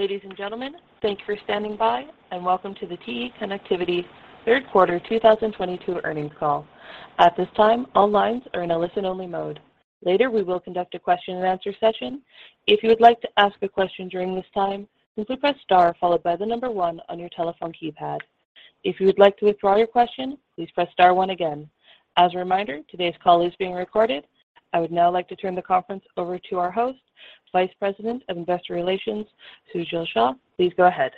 Ladies and gentlemen, thank you for standing by, and welcome to the TE Connectivity third quarter 2022 earnings call. At this time, all lines are in a listen-only mode. Later, we will conduct a question-and-answer session. If you would like to ask a question during this time, simply press star followed by the number one on your telephone keypad. If you would like to withdraw your question, please press star one again. As a reminder, today's call is being recorded. I would now like to turn the conference over to our host, Vice President of Investor Relations, Sujal Shah. Please go ahead.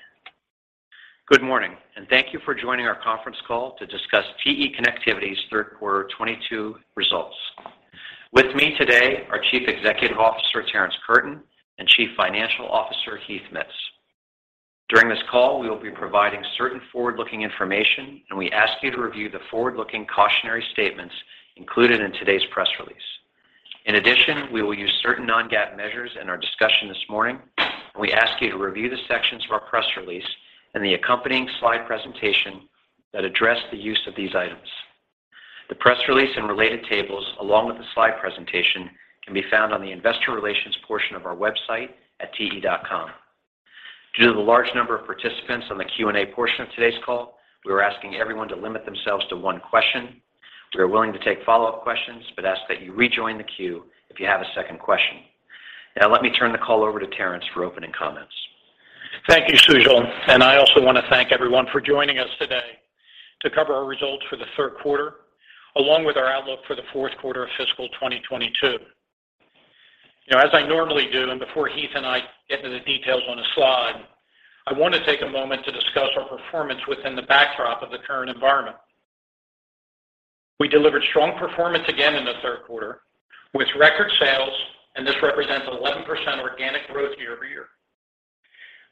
Good morning, and thank you for joining our conference call to discuss TE Connectivity's third quarter 2022 results. With me today are Chief Executive Officer Terrence Curtin and Chief Financial Officer Heath Mitts. During this call, we will be providing certain forward-looking information, and we ask you to review the forward-looking cautionary statements included in today's press release. In addition, we will use certain non-GAAP measures in our discussion this morning, and we ask you to review the sections of our press release and the accompanying slide presentation that address the use of these items. The press release and related tables, along with the slide presentation, can be found on the investor relations portion of our website at te.com. Due to the large number of participants on the Q&A portion of today's call, we are asking everyone to limit themselves to one question. We are willing to take follow-up questions, but ask that you rejoin the queue if you have a second question. Now let me turn the call over to Terrence for opening comments. Thank you, Sujal, and I also want to thank everyone for joining us today to cover our results for the third quarter, along with our outlook for the fourth quarter of fiscal 2022. You know, as I normally do, and before Heath and I get into the details on a slide, I want to take a moment to discuss our performance within the backdrop of the current environment. We delivered strong performance again in the third quarter with record sales, and this represents 11% organic growth year-over-year.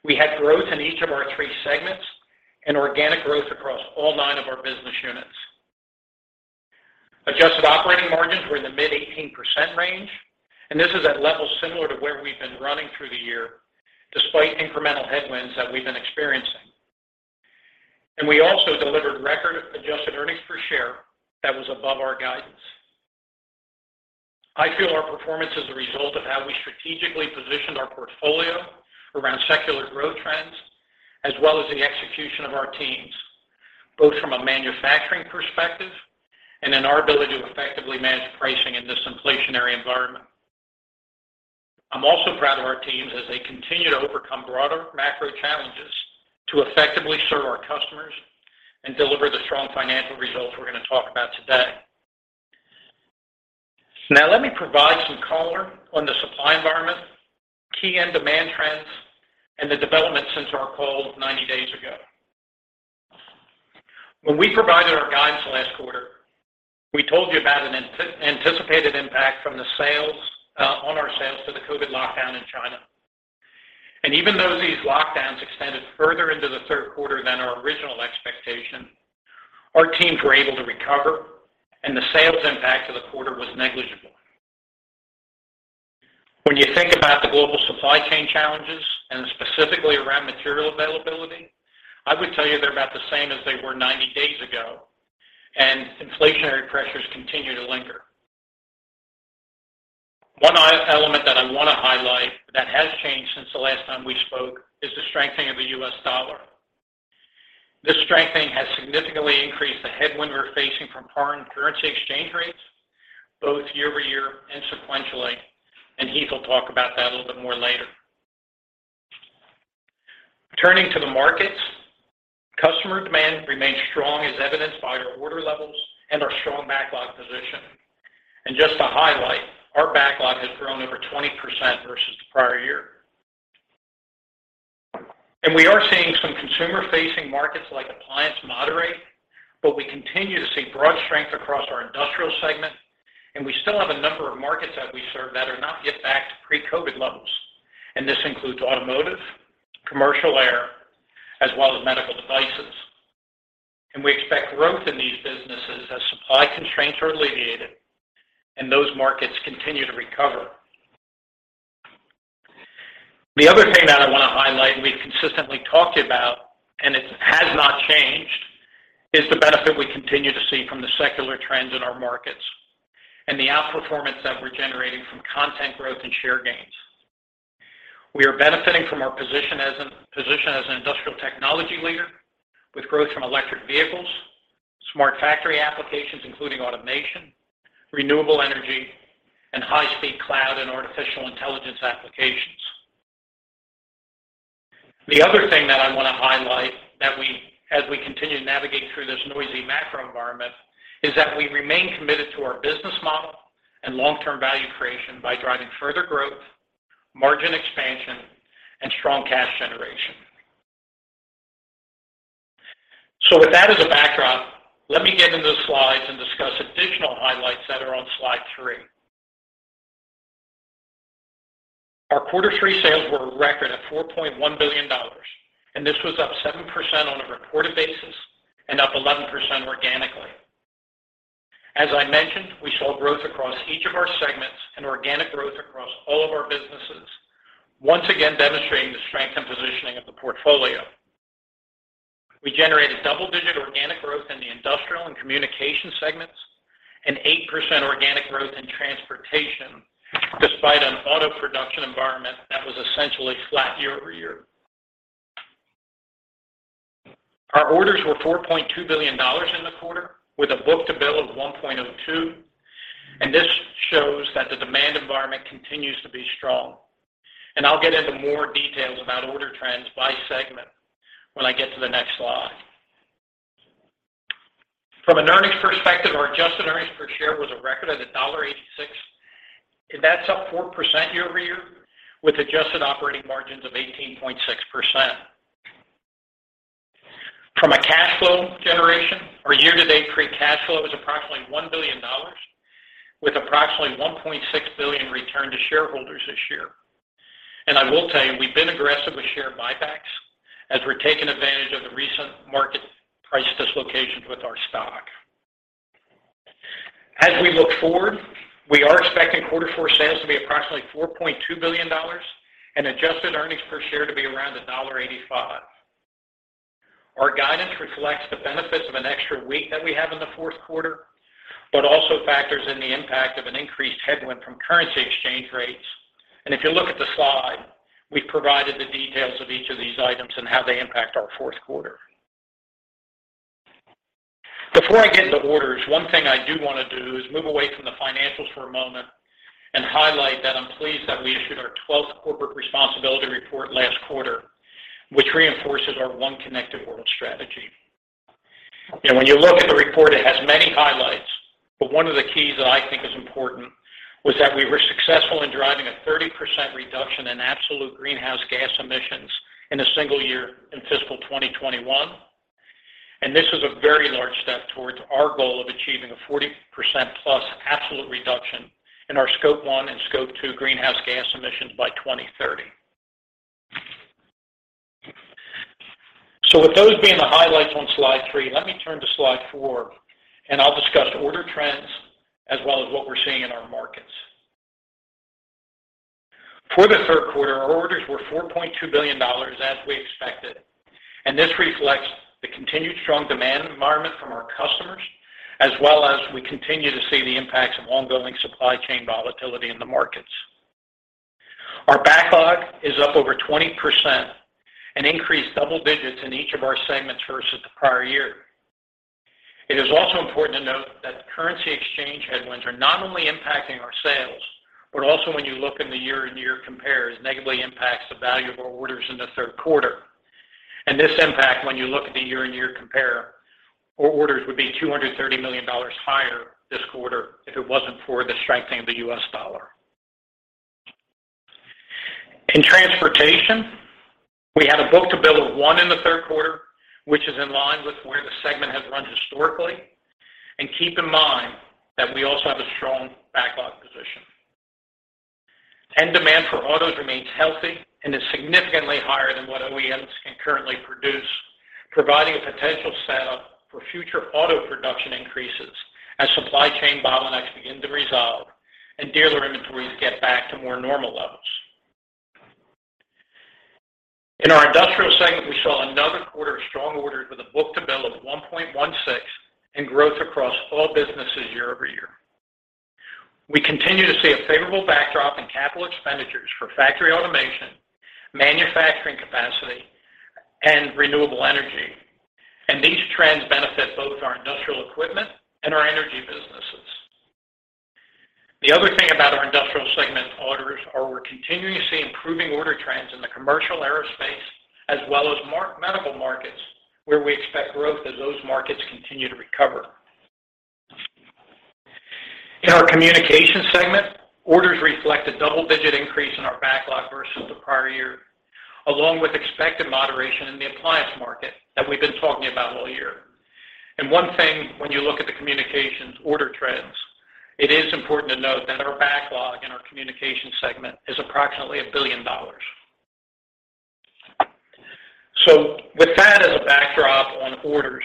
We had growth in each of our three segments and organic growth across all nine of our business units. Adjusted operating margins were in the mid-18% range, and this is at levels similar to where we've been running through the year, despite incremental headwinds that we've been experiencing. We also delivered record-adjusted earnings per share that was above our guidance. I feel our performance is a result of how we strategically positioned our portfolio around secular growth trends, as well as the execution of our teams, both from a manufacturing perspective and in our ability to effectively manage pricing in this inflationary environment. I'm also proud of our teams as they continue to overcome broader macro challenges to effectively serve our customers and deliver the strong financial results we're going to talk about today. Now let me provide some color on the supply environment, key end demand trends, and the developments since our call 90 days ago. When we provided our guidance last quarter, we told you about an anticipated impact from the slowdown on our sales to the COVID lockdown in China. Even though these lockdowns extended further into the third quarter than our original expectation, our teams were able to recover, and the sales impact to the quarter was negligible. When you think about the global supply chain challenges, and specifically around material availability, I would tell you they're about the same as they were 90 days ago, and inflationary pressures continue to linger. One element that I want to highlight that has changed since the last time we spoke is the strengthening of the US dollar. This strengthening has significantly increased the headwind we're facing from foreign currency exchange rates, both year-over-year and sequentially. Heath will talk about that a little bit more later. Turning to the markets, customer demand remains strong as evidenced by our order levels and our strong backlog position. Just to highlight, our backlog has grown over 20% versus the prior year. We are seeing some consumer-facing markets like appliances moderate, but we continue to see broad strength across our industrial segment. We still have a number of markets that we serve that are not yet back to pre-COVID levels. This includes automotive, commercial air, as well as medical devices. We expect growth in these businesses as supply constraints are alleviated and those markets continue to recover. The other thing that I want to highlight, and we've consistently talked about, and it has not changed, is the benefit we continue to see from the secular trends in our markets and the outperformance that we're generating from content growth and share gains. We are benefiting from our position as an industrial technology leader with growth from electric vehicles, smart factory applications, including automation, renewable energy, and high-speed cloud and artificial intelligence applications. The other thing that I want to highlight that we, as we continue to navigate through this noisy macro environment, is that we remain committed to our business model and long-term value creation by driving further growth, margin expansion, and strong cash generation. With that as a backdrop, let me get into the slides and discuss additional highlights that are on slide three. Our quarter three sales were a record at $4.1 billion, and this was up 7% on a reported basis and up 11% organically. As I mentioned, we saw growth across each of our segments and organic growth across all of our businesses, once again demonstrating the strength and positioning of the portfolio. We generated double-digit organic growth in the industrial and communication segments, and 8% organic growth in transportation despite an auto production environment that was essentially flat year-over-year. Our orders were $4.2 billion in the quarter, with a book-to-bill of 1.02. This shows that the demand environment continues to be strong. I'll get into more details about order trends by segment when I get to the next slide. From an earnings perspective, our adjusted earnings per share was a record of $1.86. That's up 4% year-over-year, with adjusted operating margins of 18.6%. From a cash flow generation, our year-to-date free cash flow is approximately $1 billion, with approximately $1.6 billion return to shareholders this year. I will tell you, we've been aggressive with share buybacks as we're taking advantage of the recent market price dislocations with our stock. As we look forward, we are expecting quarter four sales to be approximately $4.2 billion and adjusted earnings per share to be around $1.85. Our guidance reflects the benefits of an extra week that we have in the fourth quarter, but also factors in the impact of an increased headwind from currency exchange rates. If you look at the slide, we've provided the details of each of these items and how they impact our fourth quarter. Before I get into orders, one thing I do wanna do is move away from the financials for a moment and highlight that I'm pleased that we issued our twelfth corporate responsibility report last quarter, which reinforces our One Connected World strategy. When you look at the report, it has many highlights, but one of the keys that I think is important was that we were successful in driving a 30% reduction in absolute greenhouse gas emissions in a single year in fiscal 2021. This was a very large step towards our goal of achieving a 40% plus absolute reduction in our Scope 1 and Scope 2 greenhouse gas emissions by 2030. With those being the highlights on slide 3, let me turn to slide 4, and I'll discuss order trends as well as what we're seeing in our markets. For the third quarter, our orders were $4.2 billion as we expected. This reflects the continued strong demand environment from our customers, as well as we continue to see the impacts of ongoing supply chain volatility in the markets. Our backlog is up over 20% and increased double digits in each of our segments versus the prior year. It is also important to note that currency exchange headwinds are not only impacting our sales, but also when you look in the year-over-year compares, negatively impacts the value of our orders in the third quarter. This impact, when you look at the year-over-year compare, our orders would be $230 million higher this quarter if it wasn't for the strengthening of the US dollar. In transportation, we had a book-to-bill of 1 in the third quarter, which is in line with where the segment has run historically. Keep in mind that we also have a strong backlog position. End demand for autos remains healthy and is significantly higher than what OEMs can currently produce, providing a potential setup for future auto production increases as supply chain bottlenecks begin to resolve and dealer inventories get back to more normal levels. In our industrial segment, we saw another quarter of strong orders with a book-to-bill of 1.16 and growth across all businesses year-over-year. We continue to see a favorable backdrop in capital expenditures for factory automation, manufacturing capacity, and renewable energy. These trends benefit both our industrial equipment and our energy businesses. The other thing about our industrial segment orders are we're continuing to see improving order trends in the commercial aerospace as well as medical markets, where we expect growth as those markets continue to recover. In our communication segment, orders reflect a double-digit increase in our backlog versus the prior year, along with expected moderation in the appliance market that we've been talking about all year. One thing when you look at the communications order trends, it is important to note that our backlog in our communication segment is approximately $1 billion. With that as a backdrop on orders,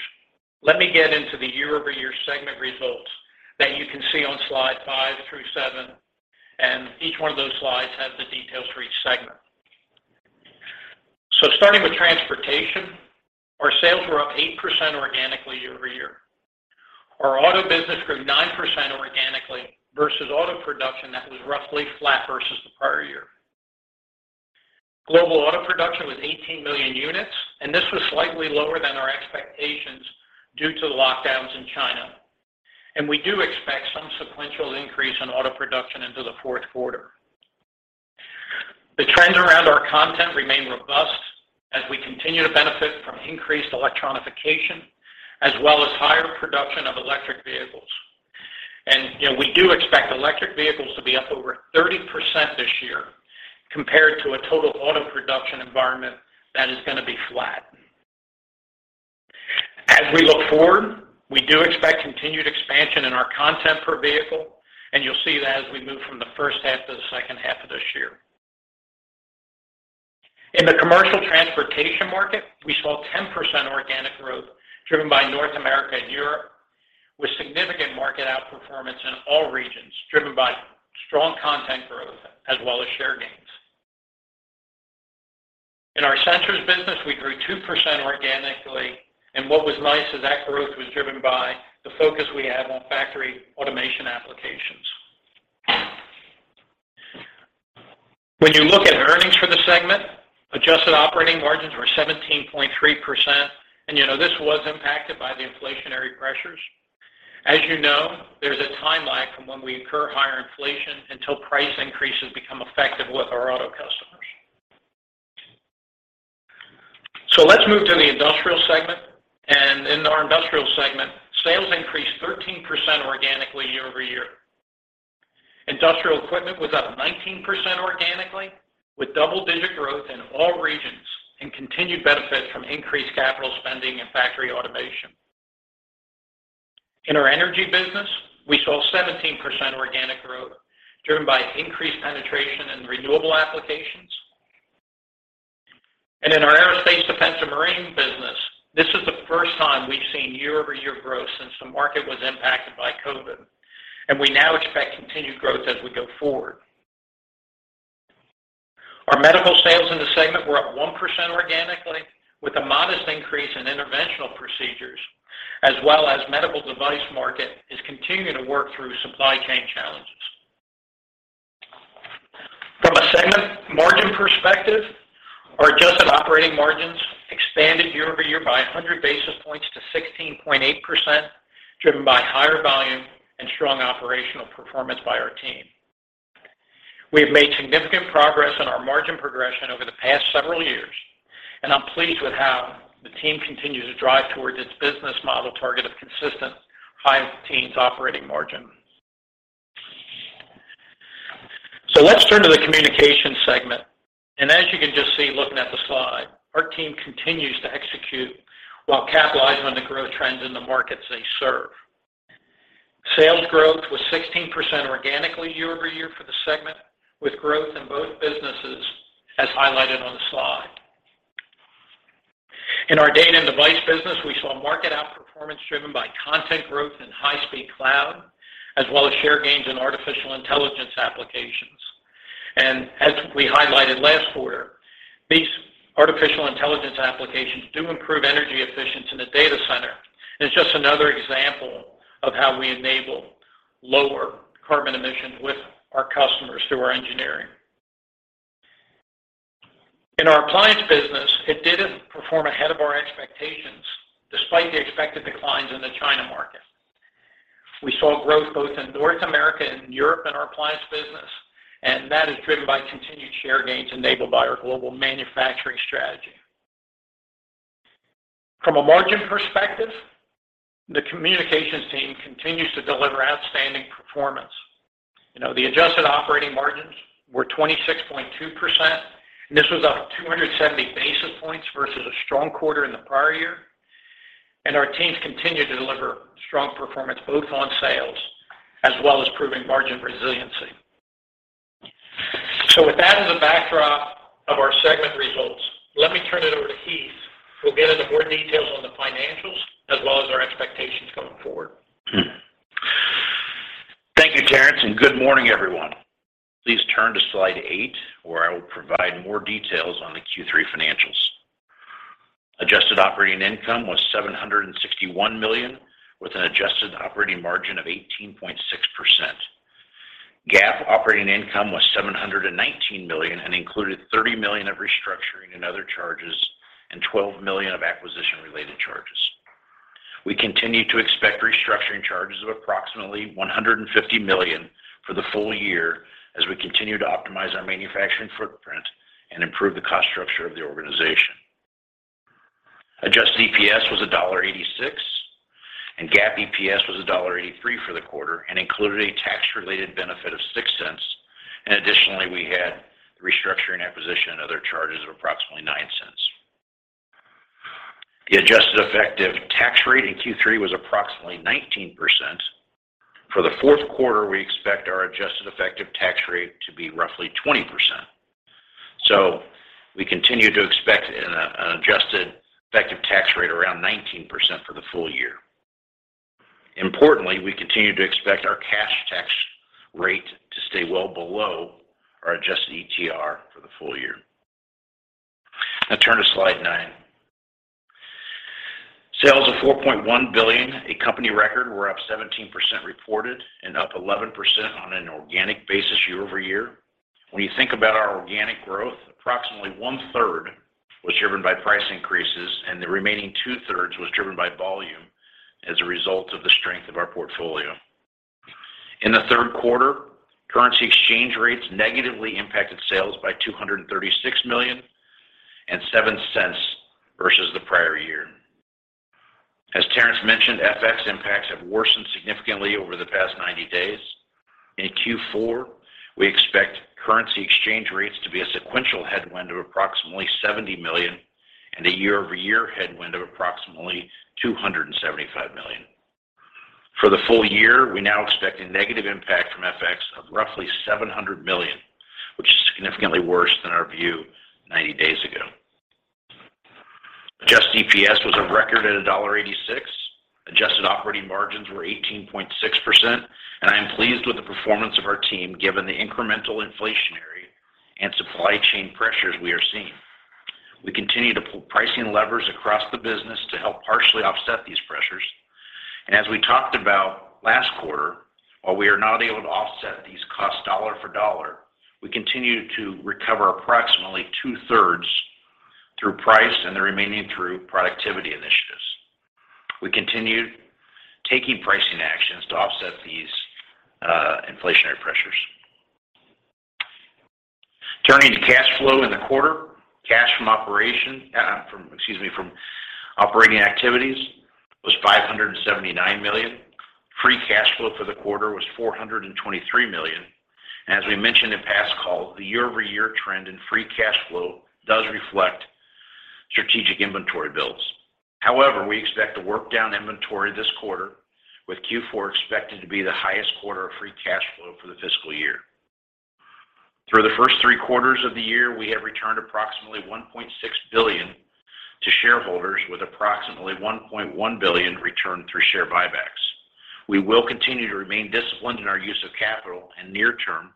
let me get into the year-over-year segment results that you can see on slide 5 through 7, and each one of those slides has the details for each segment. Starting with transportation, our sales were up 8% organically year-over-year. Our auto business grew 9% organically versus auto production that was roughly flat versus the prior year. Global auto production was 18 million units, and this was slightly lower than our expectations due to the lockdowns in China. We do expect some sequential increase in auto production into the fourth quarter. The trends around our content remain robust as we continue to benefit from increased electrification as well as higher production of electric vehicles. You know, we do expect electric vehicles to be up over 30% this year compared to a total auto production environment that is gonna be flat. As we look forward, we do expect continued expansion in our content per vehicle, and you'll see that as we move from the first half to the second half of this year. In the commercial transportation market, we saw 10% organic growth driven by North America and Europe, with significant market outperformance in all regions driven by strong content growth as well as share gains. In our sensors business, we grew 2% organically, and what was nice is that growth was driven by the focus we have on factory automation applications. When you look at earnings for the segment, adjusted operating margins were 17.3%, and you know, this was impacted by the inflationary pressures. As you know, there's a timeline from when we incur higher inflation until price increases become effective with our auto customers. Let's move to the industrial segment. In our industrial segment, sales increased 13% organically year-over-year. Industrial equipment was up 19% organically with double-digit growth in all regions and continued benefits from increased capital spending and factory automation. In our energy business, we saw 17% organic growth, driven by increased penetration in renewable applications. In our aerospace defense and marine business, this is the first time we've seen year-over-year growth since the market was impacted by COVID, and we now expect continued growth as we go forward. Our medical sales in the segment were up 1% organically, with a modest increase in interventional procedures, as well as medical device market is continuing to work through supply chain challenges. From a segment margin perspective, our adjusted operating margins expanded year-over-year by 100 basis points to 16.8%, driven by higher volume and strong operational performance by our team. We have made significant progress on our margin progression over the past several years, and I'm pleased with how the team continues to drive towards its business model target of consistent high teens operating margin. Let's turn to the communication segment. As you can just see looking at the slide, our team continues to execute while capitalizing on the growth trends in the markets they serve. Sales growth was 16% organically year-over-year for the segment, with growth in both businesses as highlighted on the slide. In our data and device business, we saw market outperformance driven by content growth in high-speed cloud, as well as share gains in artificial intelligence applications. As we highlighted last quarter, these artificial intelligence applications do improve energy efficiency in the data center, and it's just another example of how we enable lower carbon emissions with our customers through our engineering. In our appliance business, it did perform ahead of our expectations despite the expected declines in the China market. We saw growth both in North America and Europe in our appliance business, and that is driven by continued share gains enabled by our global manufacturing strategy. From a margin perspective, the communications team continues to deliver outstanding performance. You know, the adjusted operating margins were 26.2%, and this was up 270 basis points versus a strong quarter in the prior year. Our teams continue to deliver strong performance both on sales as well as proving margin resiliency. With that as a backdrop of our segment results, let me turn it over to Heath, who'll get into more details on the financials as well as our expectations going forward. Thank you, Terrence, and good morning, everyone. Please turn to slide 8, where I will provide more details on the Q3 financials. Adjusted operating income was $761 million, with an adjusted operating margin of 18.6%. GAAP operating income was $719 million and included $30 million of restructuring and other charges and $12 million of acquisition-related charges. We continue to expect restructuring charges of approximately $150 million for the full year as we continue to optimize our manufacturing footprint and improve the cost structure of the organization. Adjusted EPS was $1.86, and GAAP EPS was $1.83 for the quarter and included a tax-related benefit of $0.06. Additionally, we had restructuring, acquisition, and other charges of approximately $0.09. The adjusted effective tax rate in Q3 was approximately 19%. For the fourth quarter, we expect our adjusted effective tax rate to be roughly 20%. We continue to expect an adjusted effective tax rate around 19% for the full year. Importantly, we continue to expect our cash tax rate to stay well below our Adjusted ETR for the full year. Now turn to slide 9. Sales of $4.1 billion, a company record, were up 17% reported and up 11% on an organic basis year-over-year. When you think about our organic growth, approximately one-third was driven by price increases, and the remaining two-thirds was driven by volume as a result of the strength of our portfolio. In the third quarter, currency exchange rates negatively impacted sales by $236,000,007 versus the prior year. As Terrence mentioned, FX impacts have worsened significantly over the past 90 days. In Q4, we expect currency exchange rates to be a sequential headwind of approximately $70 million and a year-over-year headwind of approximately $275 million. For the full year, we now expect a negative impact from FX of roughly $700 million, which is significantly worse than our view 90 days ago. SDPS was a record at $1.86. Adjusted operating margins were 18.6%, and I am pleased with the performance of our team, given the incremental inflationary and supply chain pressures we are seeing. We continue to pull pricing levers across the business to help partially offset these pressures. As we talked about last quarter, while we are not able to offset these costs dollar for dollar, we continue to recover approximately two-thirds through price and the remaining through productivity initiatives. We continued taking pricing actions to offset these inflationary pressures. Turning to cash flow in the quarter. Cash from operating activities was $579 million. Free cash flow for the quarter was $423 million. As we mentioned in past calls, the year-over-year trend in free cash flow does reflect strategic inventory builds. However, we expect to work down inventory this quarter, with Q4 expected to be the highest quarter of free cash flow for the fiscal year. Through the first three quarters of the year, we have returned approximately $1.6 billion to shareholders, with approximately $1.1 billion returned through share buybacks. We will continue to remain disciplined in our use of capital, and near term,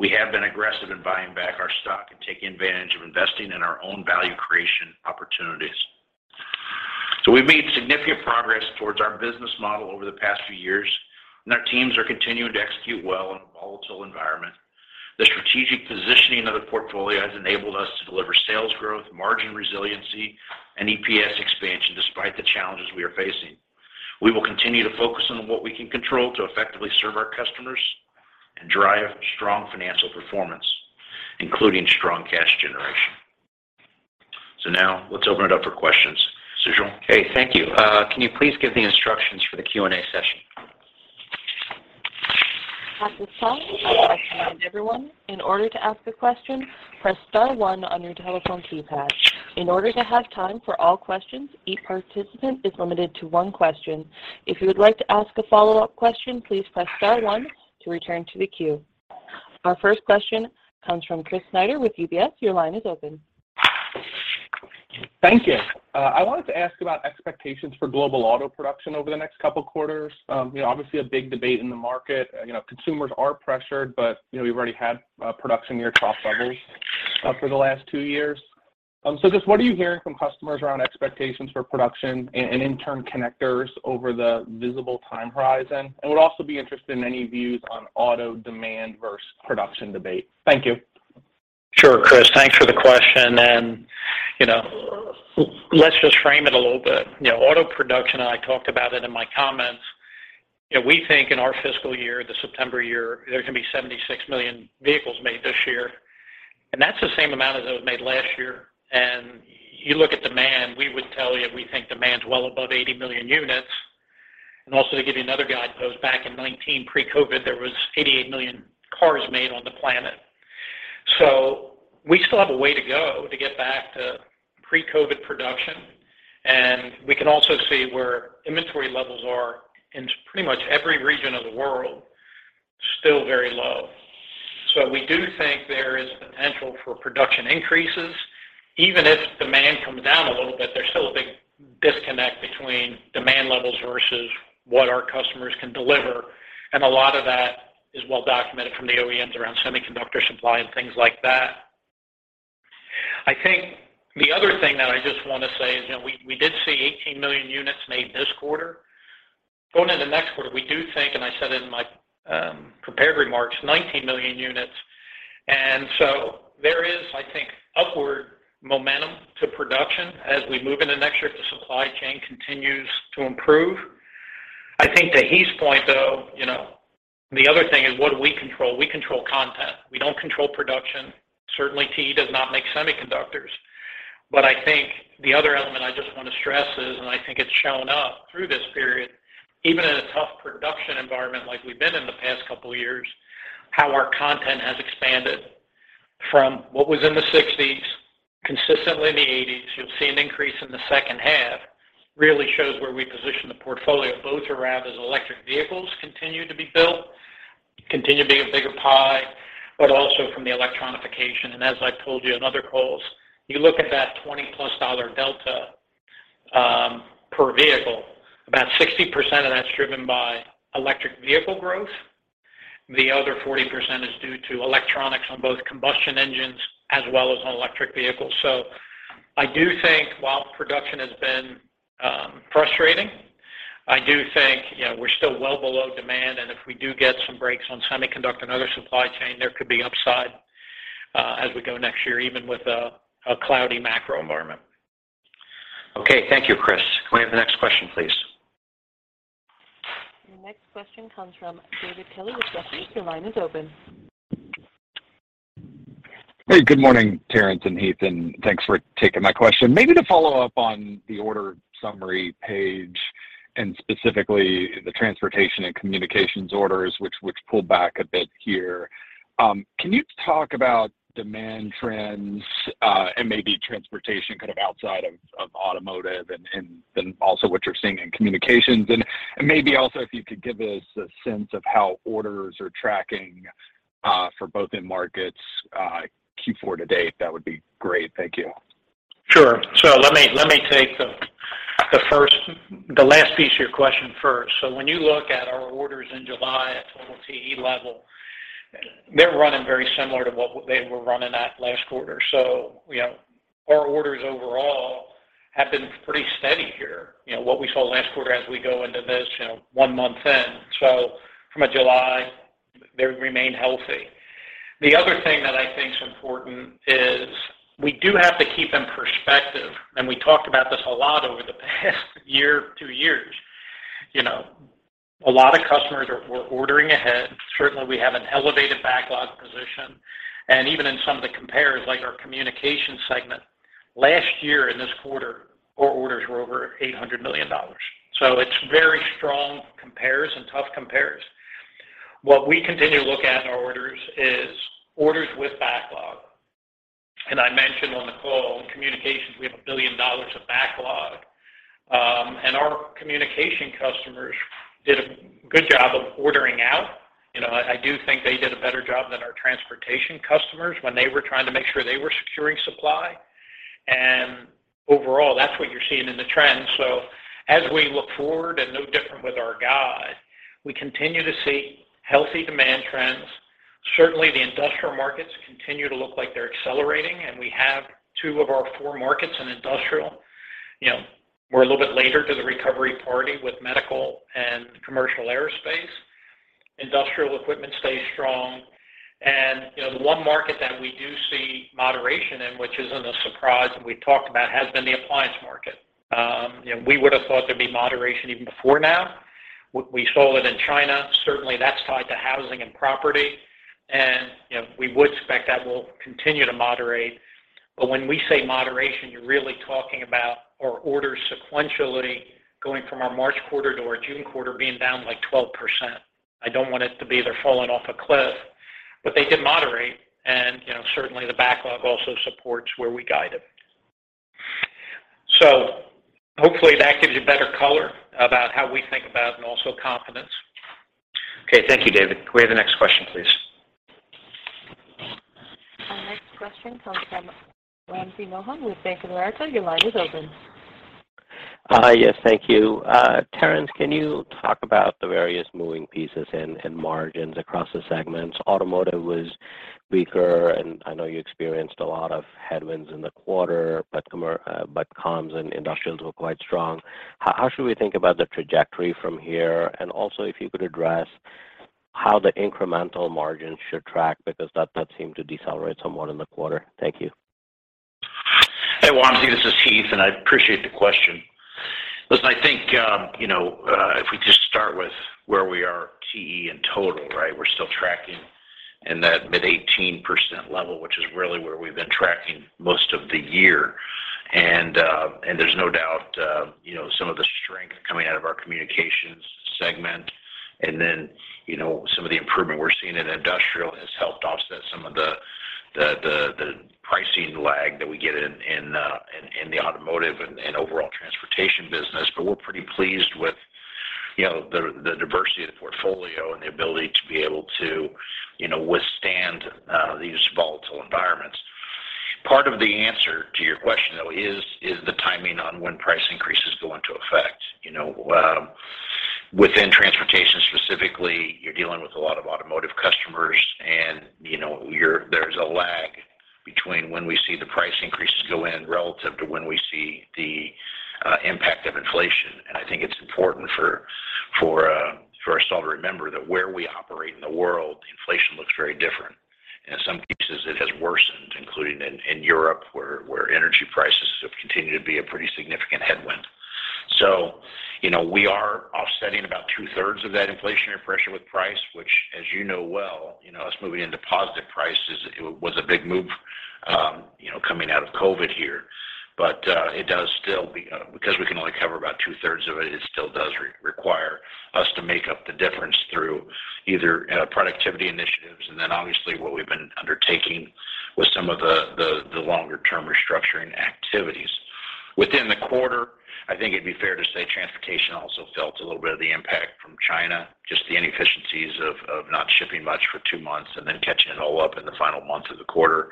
we have been aggressive in buying back our stock and taking advantage of investing in our own value creation opportunities. We've made significant progress towards our business model over the past few years, and our teams are continuing to execute well in a volatile environment. The strategic positioning of the portfolio has enabled us to deliver sales growth, margin resiliency, and EPS expansion despite the challenges we are facing. We will continue to focus on what we can control to effectively serve our customers and drive strong financial performance, including strong cash generation. Now let's open it up for questions. Sujal. Okay. Thank you. Can you please give the instructions for the Q&A session? At this time, I'd like to remind everyone, in order to ask a question, press star one on your telephone keypad. In order to have time for all questions, each participant is limited to one question. If you would like to ask a follow-up question, please press star one to return to the queue. Our first question comes from Chris Snyder with UBS. Your line is open. Thank you. I wanted to ask about expectations for global auto production over the next couple quarters. You know, obviously a big debate in the market. You know, consumers are pressured, but, you know, we've already had production near top levels for the last two years. So just what are you hearing from customers around expectations for production and in turn connectors over the visible time horizon? I would also be interested in any views on auto demand versus production debate. Thank you. Sure, Chris. Thanks for the question. You know, let's just frame it a little bit. You know, auto production, and I talked about it in my comments. You know, we think in our fiscal year, the September year, there's gonna be 76 million vehicles made this year, and that's the same amount as it was made last year. You look at demand. We would tell you we think demand's well above 80 million units. Also to give you another guidepost, back in 2019 pre-COVID, there was 88 million cars made on the planet. We still have a way to go to get back to pre-COVID production. We can also see where inventory levels are in pretty much every region of the world, still very low. We do think there is potential for production increases. Even if demand comes down a little bit, there's still a big disconnect between demand levels versus what our customers can deliver. A lot of that is well documented from the OEMs around semiconductor supply and things like that. I think the other thing that I just wanna say is, you know, we did see 18 million units made this quarter. Going into next quarter, we do think, and I said in my prepared remarks, 19 million units. There is, I think, upward momentum to production as we move into next year if the supply chain continues to improve. I think to Heath's point, though, you know, the other thing is what do we control? We control content. We don't control production. Certainly, TE does not make semiconductors. I think the other element I just wanna stress is, and I think it's shown up through this period, even in a tough production environment like we've been in the past couple years, how our content has expanded from what was in the 60s, consistently in the 80s, you'll see an increase in the second half, really shows where we position the portfolio, both around as electric vehicles continue to be built, continue to be a bigger pie, but also from the electronification. And as I've told you in other calls, you look at that $20+ delta per vehicle. About 60% of that's driven by electric vehicle growth. The other 40% is due to electronics on both combustion engines as well as on electric vehicles. I do think while production has been frustrating, I do think, you know, we're still well below demand. If we do get some breaks on semiconductor and other supply chain, there could be upside as we go next year, even with a cloudy macro environment. Okay. Thank you, Chris. Can we have the next question, please? The next question comes from David Kelley with Jefferies. Your line is open. Hey. Good morning, Terrence and Heath, and thanks for taking my question. Maybe to follow up on the order summary page and specifically the transportation and communications orders, which pulled back a bit here. Can you talk about demand trends, and maybe transportation kind of outside of automotive, and then also what you're seeing in communications? Maybe also if you could give us a sense of how orders are tracking? For both end markets, Q4 to date, that would be great. Thank you. Sure. Let me take the last piece of your question first. When you look at our orders in July at total TE level, they're running very similar to what they were running at last quarter. You know, our orders overall have been pretty steady here. You know, what we saw last quarter as we go into this, you know, one month in. From a July, they remain healthy. The other thing that I think is important is we do have to keep in perspective, and we talked about this a lot over the past year, two years. You know, a lot of customers were ordering ahead. Certainly, we have an elevated backlog position. And even in some of the compares, like our communication segment, last year in this quarter, our orders were over $800 million. It's very strong compares and tough compares. What we continue to look at in our orders is orders with backlog. I mentioned on the call, in communications, we have $1 billion of backlog. Our communication customers did a good job of ordering out. You know, I do think they did a better job than our transportation customers when they were trying to make sure they were securing supply. Overall, that's what you're seeing in the trends. As we look forward and no different with our guide, we continue to see healthy demand trends. Certainly, the industrial markets continue to look like they're accelerating, and we have two of our four markets in industrial. You know, we're a little bit later to the recovery party with medical and commercial aerospace. Industrial equipment stays strong. You know, the one market that we do see moderation in, which isn't a surprise, and we talked about, has been the appliance market. You know, we would have thought there'd be moderation even before now. We saw it in China. Certainly, that's tied to housing and property. You know, we would expect that will continue to moderate. When we say moderation, you're really talking about our orders sequentially going from our March quarter to our June quarter being down, like, 12%. I don't want it to be they're falling off a cliff, but they did moderate, and, you know, certainly the backlog also supports where we guided. Hopefully that gives you better color about how we think about and also confidence. Okay. Thank you, David. Can we have the next question, please? Our next question comes from Wamsi Mohan with Bank of America. Your line is open. Yes. Thank you. Terrence, can you talk about the various moving pieces and margins across the segments? Automotive was weaker, and I know you experienced a lot of headwinds in the quarter, but comms and industrials were quite strong. How should we think about the trajectory from here? Also, if you could address how the incremental margins should track because that seemed to decelerate somewhat in the quarter. Thank you. Hey, Wamsi, this is Heath, and I appreciate the question. Listen, I think, you know, if we just start with where we are TE in total, right? We're still tracking in that mid-18% level, which is really where we've been tracking most of the year. There's no doubt, you know, some of the strength coming out of our communications segment. Then, you know, some of the improvement we're seeing in industrial has helped offset some of the pricing lag that we get in the automotive and overall transportation business. But we're pretty pleased with, you know, the diversity of the portfolio and the ability to be able to, you know, withstand these volatile environments. Part of the answer to your question, though, is the timing on when price increases go into effect. You know, within transportation specifically, you're dealing with a lot of automotive customers, and, you know, there's a lag between when we see the price increases go in relative to when we see the impact of inflation. I think it's important for us all to remember that where we operate in the world, inflation looks very different. In some cases, it has worsened, including in Europe, where energy prices have continued to be a pretty significant headwind. You know, we are offsetting about two-thirds of that inflationary pressure with price, which, as you know well, you know, us moving into positive prices, it was a big move, you know, coming out of COVID here. Because we can only cover about 2/3 of it still does require us to make up the difference through either productivity initiatives, and then obviously what we've been undertaking with some of the longer-term restructuring activities. Within the quarter, I think it'd be fair to say transportation also felt a little bit of the impact from China, just the inefficiencies of not shipping much for two months and then catching it all up in the final month of the quarter.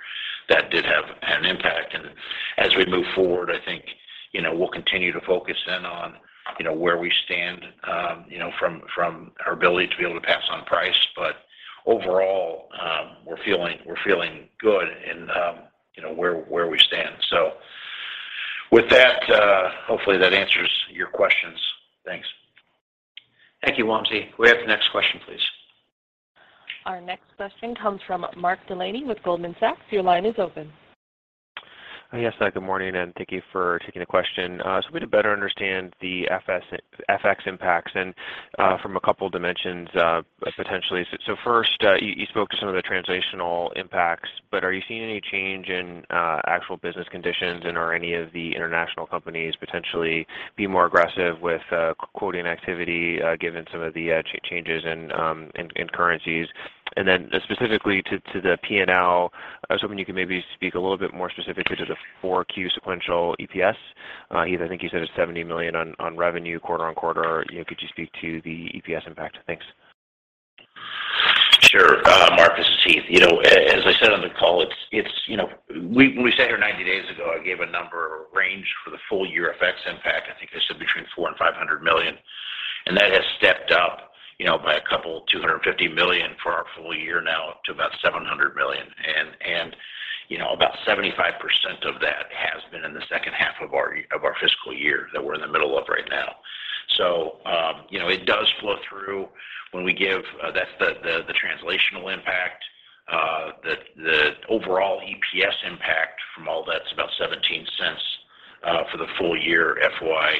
That did have an impact. As we move forward, I think, you know, we'll continue to focus in on, you know, where we stand, you know, from our ability to be able to pass on price. But overall, we're feeling good in where we stand. With that, hopefully, that answers your questions. Thanks. Thank you, Wamsi. Can we have the next question, please? Our next question comes from Mark Delaney with Goldman Sachs. Your line is open. Yes. Good morning, and thank you for taking the question. So we can better understand the FX impacts and from a couple dimensions, potentially. First, you spoke to some of the translational impacts, but are you seeing any change in actual business conditions? And are any of the international companies potentially be more aggressive with quoting activity given some of the changes in currencies? And then specifically to the P&L, I was hoping you could maybe speak a little bit more specifically to the 4Q sequential EPS. Heath, I think you said it's $70 million on revenue quarter-on-quarter. You know, could you speak to the EPS impact? Thanks. Sure. Mark, this is Heath Mitts. You know, as I said on the call, it's you know. When we sat here 90 days ago, I gave a number range for the full year FX impact. I think I said between $400 million and $500 million. That has stepped up, you know, by $250 million for our full year now to about $700 million. You know, about 75% of that has been in the second half of our fiscal year that we're in the middle of right now. It does flow through when we give, that's the translational impact, the overall EPS impact from all that's about $0.17 for the full year FY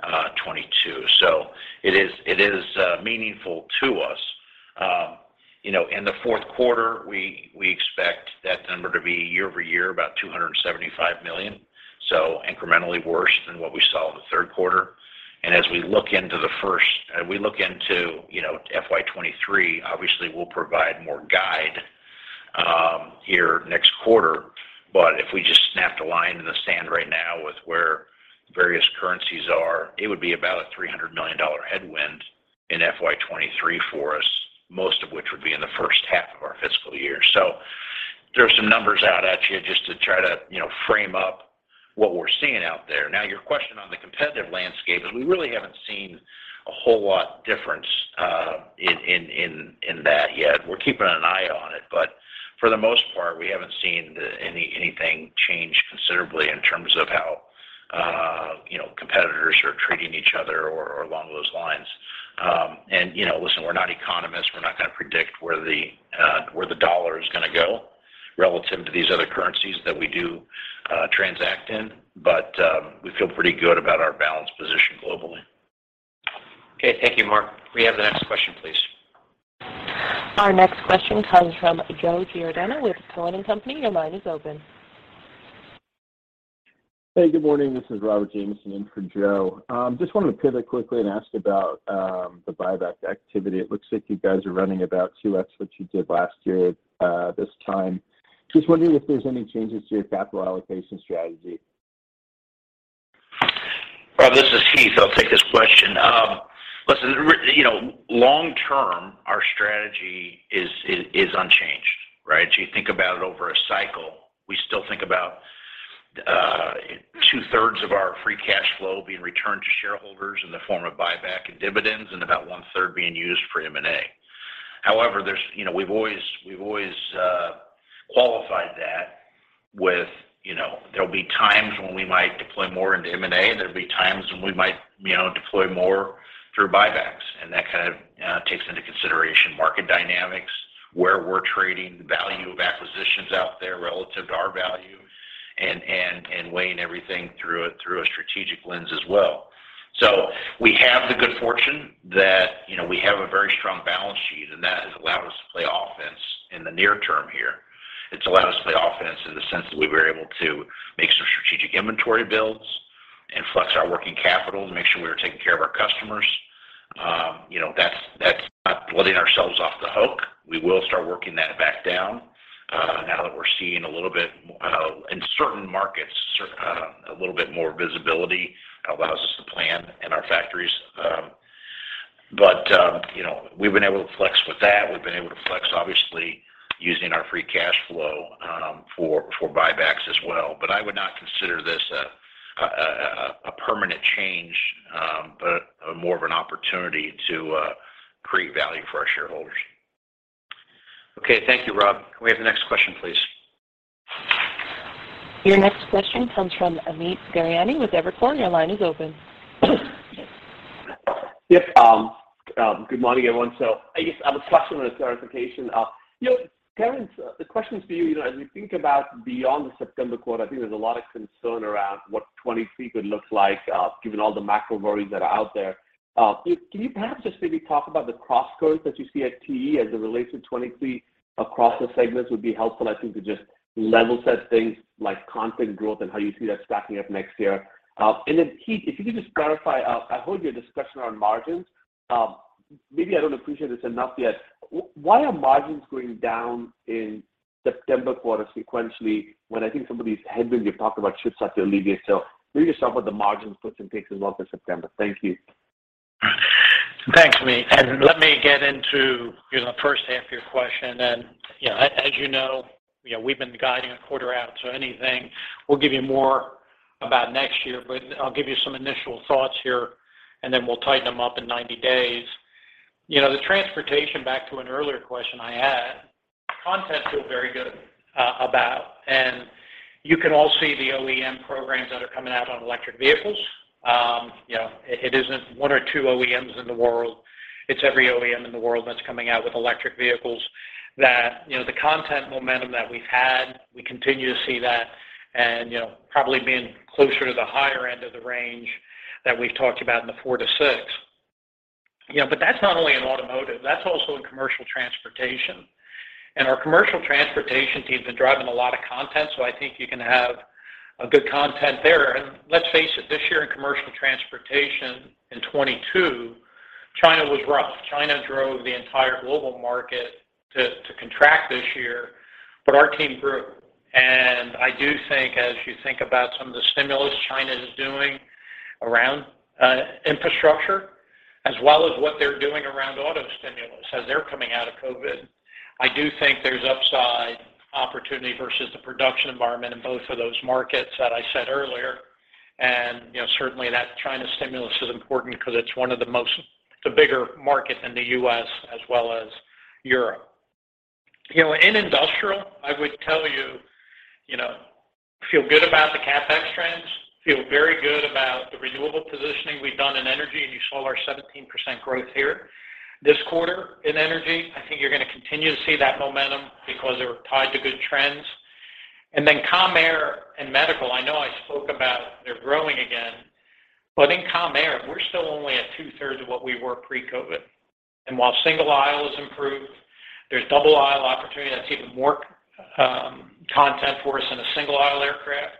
2022. It is meaningful to us. You know, in the fourth quarter, we expect that number to be year-over-year about $275 million, so incrementally worse than what we saw in the third quarter. As we look into, you know, FY 2023, obviously, we'll provide more guidance here next quarter. If we just draw a line in the sand right now with where various currencies are, it would be about a $300 million headwind in FY 2023 for us, most of which would be in the first half of our fiscal year. There are some numbers out there for you just to try to, you know, frame up what we're seeing out there. Now, your question on the competitive landscape is we really haven't seen a whole lot of difference in that yet. We're keeping an eye on it, but for the most part, we haven't seen anything change considerably in terms of how, you know, competitors are treating each other or along those lines. You know, listen, we're not economists. We're not gonna predict where the dollar is gonna go relative to these other currencies that we do transact in. We feel pretty good about our balance position globally. Okay. Thank you, Mark. Can we have the next question, please? Our next question comes from Joe Giordano with Cowen and Company. Your line is open. Hey, good morning. This is Robert Fagin in for Joe. Just wanted to pivot quickly and ask about the buyback activity. It looks like you guys are running about 2x what you did last year, this time. Just wondering if there's any changes to your capital allocation strategy. Rob, this is Heath. I'll take this question. Listen, you know, long term, our strategy is unchanged, right? You think about it over a cycle. We still think about two-thirds of our free cash flow being returned to shareholders in the form of buyback and dividends, and about one-third being used for M&A. However, you know, we've always qualified that with, you know, there'll be times when we might deploy more into M&A. There'll be times when we might, you know, deploy more through buybacks. That kind of takes into consideration market dynamics, where we're trading the value of acquisitions out there relative to our value and weighing everything through a strategic lens as well. We have the good fortune that, you know, we have a very strong balance sheet, and that has allowed us to play offense in the near term here. It's allowed us to play offense in the sense that we were able to make some strategic inventory builds and flex our working capital to make sure we were taking care of our customers. You know, that's not letting ourselves off the hook. We will start working that back down now that we're seeing a little bit in certain markets, a little bit more visibility allows us to plan in our factories. But you know, we've been able to flex with that. We've been able to flex, obviously, using our free cash flow for buybacks as well. I would not consider this a permanent change, but more of an opportunity to create value for our shareholders. Okay. Thank you, Rob. Can we have the next question, please? Your next question comes from Amit Daryanani with Evercore. Your line is open. Yep. Good morning, everyone. I guess I have a question and a clarification. You know, Terrence, the question is for you. You know, as we think about beyond the September quarter, I think there's a lot of concern around what 2023 could look like, given all the macro worries that are out there. Can you perhaps just maybe talk about the crosscurrents that you see at TE as it relates to 2023 across the segments? Would be helpful, I think, to just level set things like content growth and how you see that stacking up next year. And then Heath, if you could just clarify, I heard your discussion on margins. Maybe I don't appreciate this enough yet. Why are margins going down in September quarter sequentially when I think some of these headwinds you talked about should start to alleviate? Maybe just talk about the margin puts and takes in both the September. Thank you. All right. Thanks, Amit, and let me get into, you know, the first half of your question. You know, as you know, you know, we've been guiding a quarter out, so anything we'll give you more about next year. I'll give you some initial thoughts here, and then we'll tighten them up in 90 days. You know, the transportation back to an earlier question I had, content feel very good about. You can all see the OEM programs that are coming out on electric vehicles. You know, it isn't one or two OEMs in the world. It's every OEM in the world that's coming out with electric vehicles that, you know, the content momentum that we've had, we continue to see that and, you know, probably being closer to the higher end of the range that we've talked about in the 4%-6%. You know, that's not only in automotive. That's also in commercial transportation. Our commercial transportation team's been driving a lot of content, so I think you can have a good content there. Let's face it, this year in commercial transportation in 2022, China was rough. China drove the entire global market to contract this year, but our team grew. I do think as you think about some of the stimulus China is doing around infrastructure as well as what they're doing around auto stimulus as they're coming out of COVID, I do think there's upside opportunity versus the production environment in both of those markets that I said earlier. You know, certainly that China stimulus is important because it's a bigger market than the U.S. as well as Europe. You know, in industrial, I would tell you know, feel good about the CapEx trends, feel very good about the renewable positioning we've done in energy, and you saw our 17% growth here. This quarter in energy, I think you're gonna continue to see that momentum because they were tied to good trends. Then commercial air and medical, I know I spoke about they're growing again. In commercial air, we're still only at two-thirds of what we were pre-COVID. While single aisle has improved, there's double aisle opportunity that's even more content for us in a single aisle aircraft.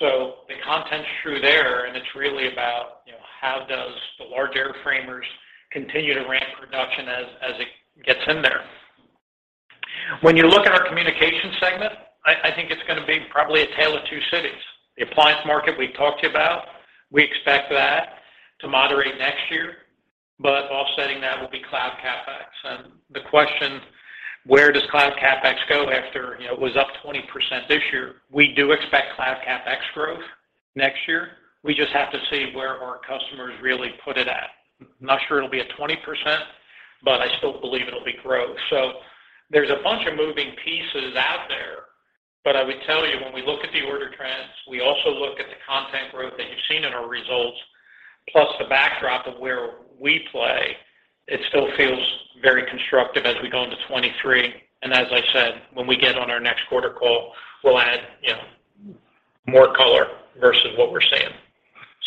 The content's true there, and it's really about, you know, how does the large airframers continue to ramp production as it gets in there. When you look at our communication segment, I think it's gonna be probably a tale of two cities. The appliance market we talked about, we expect that to moderate next year, but offsetting that will be cloud CapEx. The question, where does cloud CapEx go after, you know, it was up 20% this year? We do expect cloud CapEx growth next year. We just have to see where our customers really put it at. Not sure it'll be at 20%, but I still believe it'll be growth. There's a bunch of moving pieces out there. I would tell you, when we look at the order trends, we also look at the content growth that you've seen in our results, plus the backdrop of where we play. It still feels very constructive as we go into 2023. As I said, when we get on our next quarter call, we'll add, you know, more color versus what we're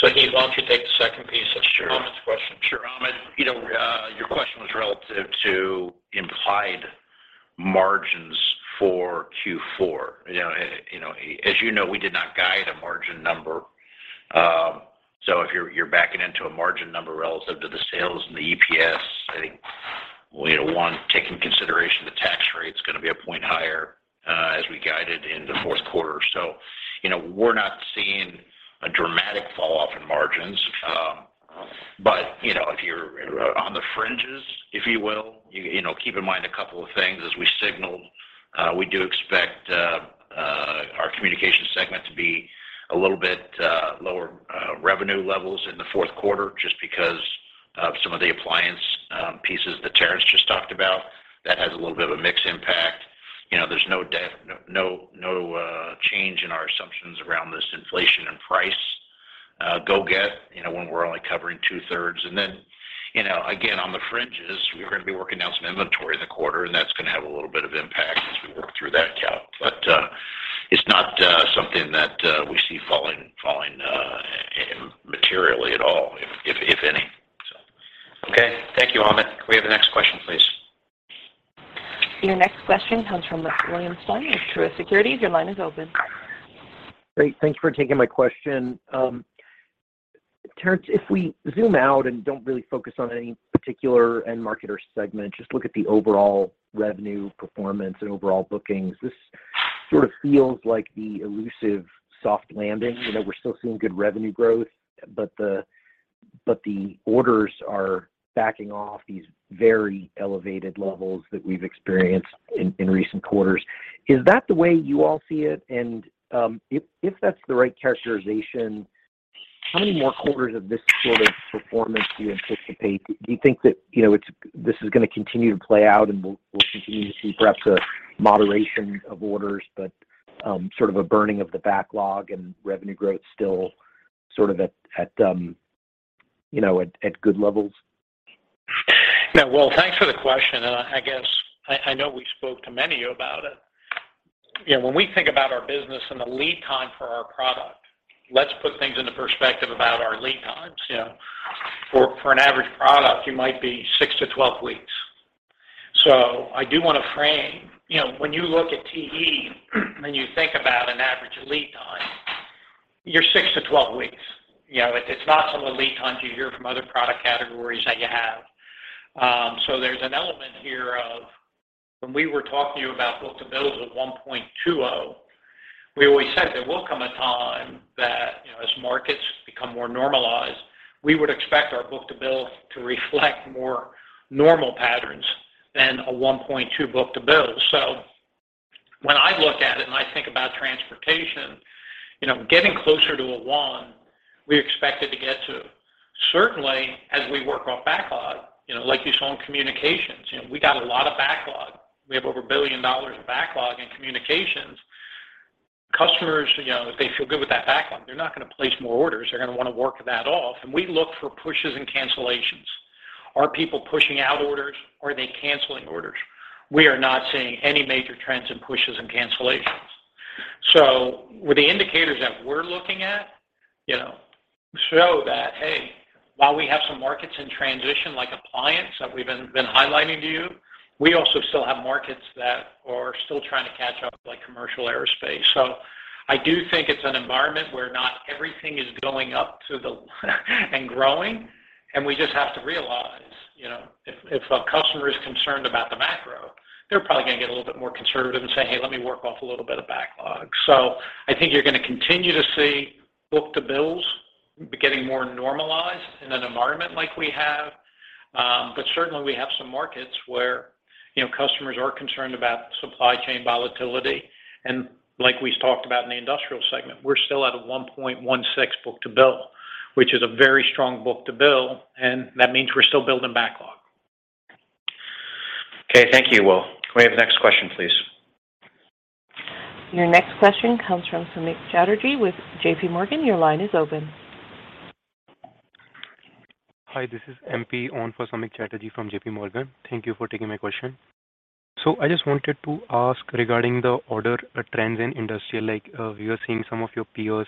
saying. Heath, why don't you take the second piece of- Sure. -Amit's question. Sure. Amit, you know, your question was relative to implied margins for Q4. You know, as you know, we did not guide a margin number. If you're backing into a margin number relative to the sales and the EPS, I think we have to take into consideration the tax rate's gonna be a point higher, as we guided in the fourth quarter. You know, we're not seeing a dramatic fall off in margins. But you know, if you're on the fringes, if you will, you know, keep in mind a couple of things as we signaled. We do expect our communication segment to be a little bit lower revenue levels in the fourth quarter just because of some of the appliance pieces that Terrence just talked about. That has a little bit of a mix impact. You know, there's no change in our assumptions around this inflation and price gouging, you know, when we're only covering two-thirds. Then, you know, again, on the margins, we're gonna be working down some inventory in the quarter, and that's gonna have a little bit of impact as we work through that count. It's not something that we see falling materially at all, if any. Okay. Thank you, Amit. Can we have the next question, please? Your next question comes from William Stein with Truist Securities. Your line is open. Great. Thanks for taking my question. Terrence, if we zoom out and don't really focus on any particular end market or segment, just look at the overall revenue performance and overall bookings, this sort of feels like the elusive soft landing. You know, we're still seeing good revenue growth, but the orders are backing off these very elevated levels that we've experienced in recent quarters. Is that the way you all see it? If that's the right characterization, how many more quarters of this sort of performance do you anticipate? Do you think that, you know, this is gonna continue to play out, and we'll continue to see perhaps a moderation of orders, but sort of a burning of the backlog and revenue growth still sort of at, you know, at good levels? Yeah. Well, thanks for the question, and I guess I know we spoke to many about it. You know, when we think about our business and the lead time for our product, let's put things into perspective about our lead times. You know, for an average product, you might be 6-12 weeks. I do wanna frame, you know, when you look at TE, and you think about an average lead time, you're 6-12 weeks. You know, it's not some lead times you hear from other product categories that you have. There's an element here of when we were talking to you about book-to-bills of 1.20, we always said there will come a time that, you know, as markets become more normalized, we would expect our book-to-bill to reflect more normal patterns than a 1.20 book-to-bill. When I look at it, and I think about transportation, you know, getting closer to a 1 we expected to get to. Certainly, as we work off backlog, you know, like you saw in communications, you know, we got a lot of backlog. We have over $1 billion of backlog in communications. Customers, you know, if they feel good with that backlog, they're not gonna place more orders. They're gonna wanna work that off, and we look for pushes and cancellations. Are people pushing out orders? Are they canceling orders? We are not seeing any major trends in pushes and cancellations. With the indicators that we're looking at, you know, show that, hey, while we have some markets in transition, like appliance that we've been highlighting to you, we also still have markets that are still trying to catch up, like commercial aerospace. I do think it's an environment where not everything is going up to the line and growing, and we just have to realize, you know, if a customer is concerned about the macro, they're probably gonna get a little bit more conservative and say, "Hey, let me work off a little bit of backlog." I think you're gonna continue to see book-to-bills getting more normalized in an environment like we have. Certainly we have some markets where, you know, customers are concerned about supply chain volatility. Like we talked about in the industrial segment, we're still at a 1.16 book-to-bill, which is a very strong book-to-bill, and that means we're still building backlog. Okay. Thank you, Will. Can we have the next question, please? Your next question comes from Samik Chatterjee with JPMorgan. Your line is open. Hi, this is [MP] on for Samik Chatterjee from J.P. Morgan. Thank you for taking my question. I just wanted to ask regarding the order trends in industrial. Like, we are seeing some of your peers,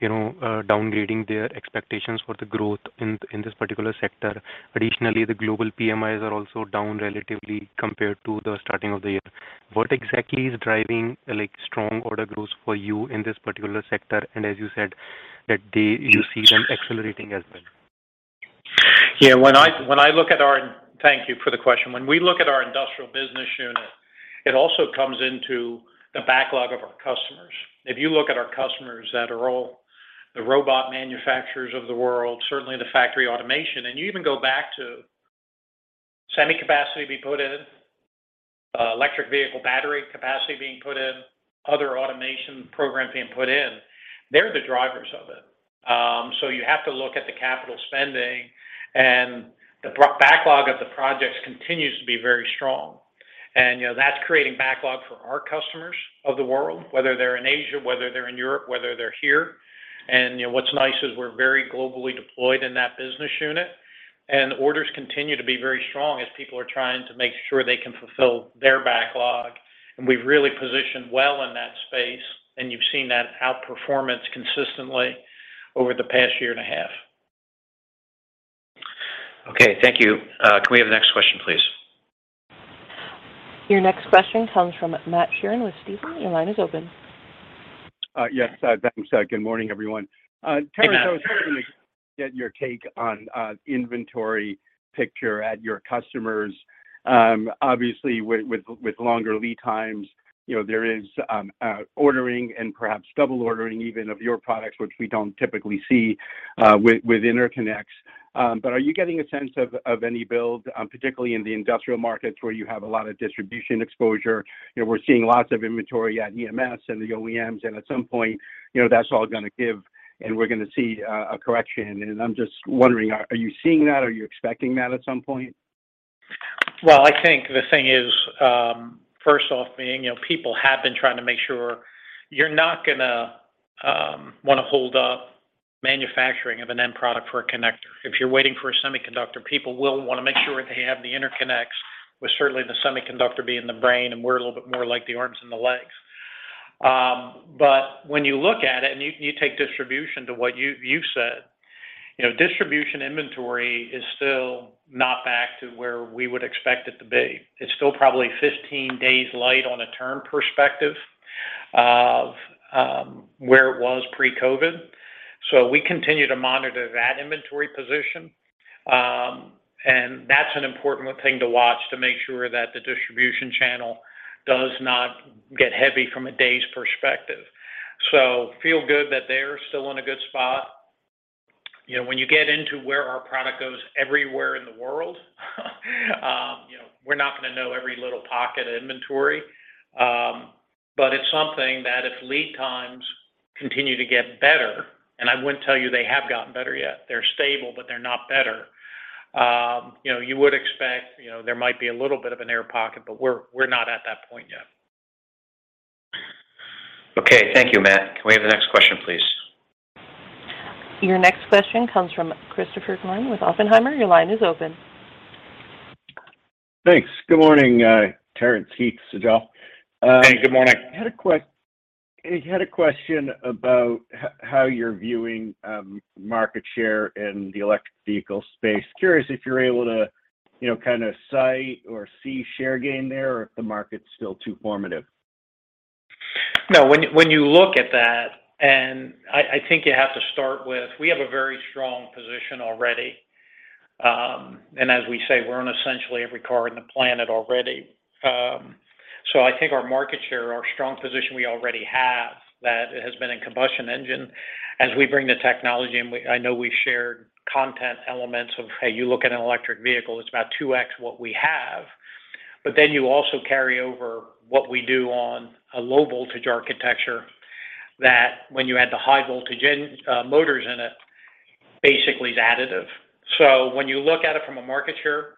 you know, downgrading their expectations for the growth in this particular sector. Additionally, the global PMIs are also down relatively compared to the starting of the year. What exactly is driving, like, strong order growth for you in this particular sector? You see them accelerating as well. Thank you for the question. When we look at our industrial business unit, it also comes into the backlog of our customers. If you look at our customers that are all the robot manufacturers of the world, certainly the factory automation, and you even go back to semi capacity being put in, electric vehicle battery capacity being put in, other automation program being put in, they're the drivers of it. So you have to look at the capital spending, and the backlog of the projects continues to be very strong. You know, that's creating backlog for our customers of the world, whether they're in Asia, whether they're in Europe, whether they're here. You know, what's nice is we're very globally deployed in that business unit, and orders continue to be very strong as people are trying to make sure they can fulfill their backlog. We've really positioned well in that space, and you've seen that outperformance consistently over the past year and a half. Okay. Thank you. Can we have the next question, please? Your next question comes from Matt Sheerin with Stifel. Your line is open. Yes. Thanks. Good morning, everyone. Hey, Matt. Terrence, I was wondering, get your take on inventory picture at your customers. Obviously with longer lead times, you know, there is ordering and perhaps double ordering even of your products, which we don't typically see with interconnects. But are you getting a sense of any build, particularly in the industrial markets where you have a lot of distribution exposure? You know, we're seeing lots of inventory at EMS and the OEMs, and at some point, you know, that's all gonna give and we're gonna see a correction. I'm just wondering, are you seeing that? Are you expecting that at some point? Well, I think the thing is, first off, you know, people have been trying to make sure you're not gonna wanna hold up manufacturing of an end product for a connector. If you're waiting for a semiconductor, people will wanna make sure they have the interconnects, with certainly the semiconductor being the brain and we're a little bit more like the arms and the legs. When you look at it and you take distribution to what you've said, you know, distribution inventory is still not back to where we would expect it to be. It's still probably 15 days light on a long-term perspective of where it was pre-COVID. We continue to monitor that inventory position, and that's an important thing to watch to make sure that the distribution channel does not get heavy from a days perspective. Feel good that they're still in a good spot. You know, when you get into where our product goes everywhere in the world, you know, we're not gonna know every little pocket of inventory. It's something that if lead times continue to get better, and I wouldn't tell you they have gotten better yet. They're stable, but they're not better. You know, you would expect, you know, there might be a little bit of an air pocket, but we're not at that point yet. Okay. Thank you, Matt. Can we have the next question, please? Your next question comes from Christopher Glynn with Oppenheimer. Your line is open. Thanks. Good morning, Terrence, Heath, Sujal. Hey, good morning. I had a question about how you're viewing market share in the electric vehicle space. Curious if you're able to, you know, kind of cite or see share gain there or if the market's still too formative. No. When you look at that, I think you have to start with we have a very strong position already. As we say, we're in essentially every car on the planet already. I think our market share, our strong position we already have that has been in combustion engines. As we bring the technology, I know we've shared content elements of, hey, you look at an electric vehicle, it's about 2x what we have. You also carry over what we do on a low voltage architecture that when you add the high voltage motors in it, basically is additive. When you look at it from a market share,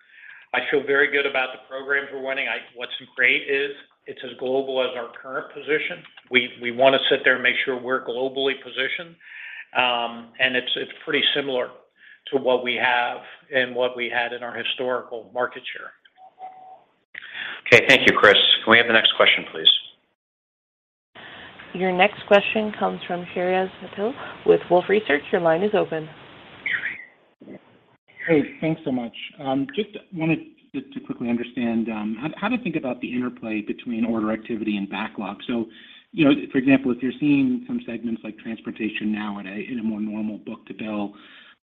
I feel very good about the programs we're running. What's great is it's as global as our current position. We wanna sit there and make sure we're globally positioned. It's pretty similar to what we have and what we had in our historical market share. Okay. Thank you, Chris. Can we have the next question, please? Your next question comes from Shreyas Patil with Wolfe Research. Your line is open. Hey, thanks so much. Just wanted to quickly understand how to think about the interplay between order activity and backlog. You know, for example, if you're seeing some segments like transportation now in a more normal book-to-bill,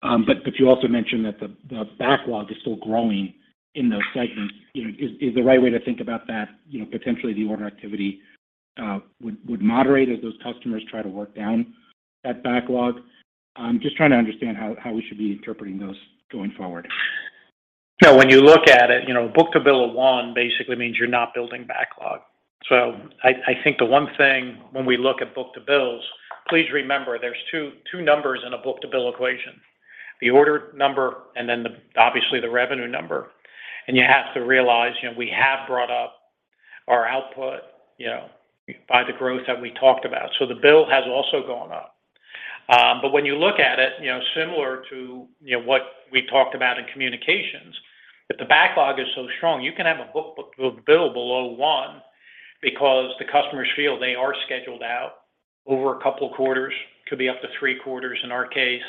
but you also mentioned that the backlog is still growing in those segments. You know, is the right way to think about that, you know, potentially the order activity would moderate as those customers try to work down that backlog? Just trying to understand how we should be interpreting those going forward. Yeah, when you look at it, you know, book-to-bill of one basically means you're not building backlog. I think the one thing when we look at book-to-bills, please remember there's two numbers in a book-to-bill equation, the order number and then obviously the revenue number. You have to realize, you know, we have brought up our output, you know, by the growth that we talked about. The bill has also gone up. When you look at it, you know, similar to, you know, what we talked about in communications, if the backlog is so strong, you can have a book-to-bill below one because the customers feel they are scheduled out over a couple of quarters. Could be up to three quarters in our case,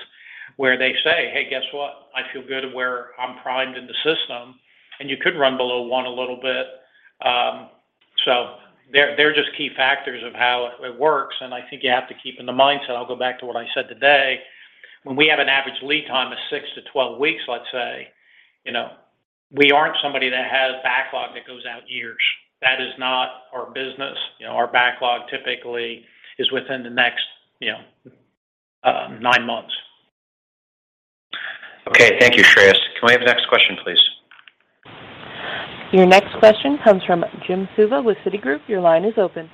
where they say, "Hey, guess what? I feel good where I'm primed in the system, and you could run below one a little bit. So they're just key factors of how it works. I think you have to keep in the mindset. I'll go back to what I said today, when we have an average lead time of 6-12 weeks, let's say, you know, we aren't somebody that has backlog that goes out years. That is not our business. You know, our backlog typically is within the next, you know, 9 months. Okay. Thank you, Shreyas. Can we have the next question, please? Your next question comes from Jim Suva with Citigroup. Your line is open.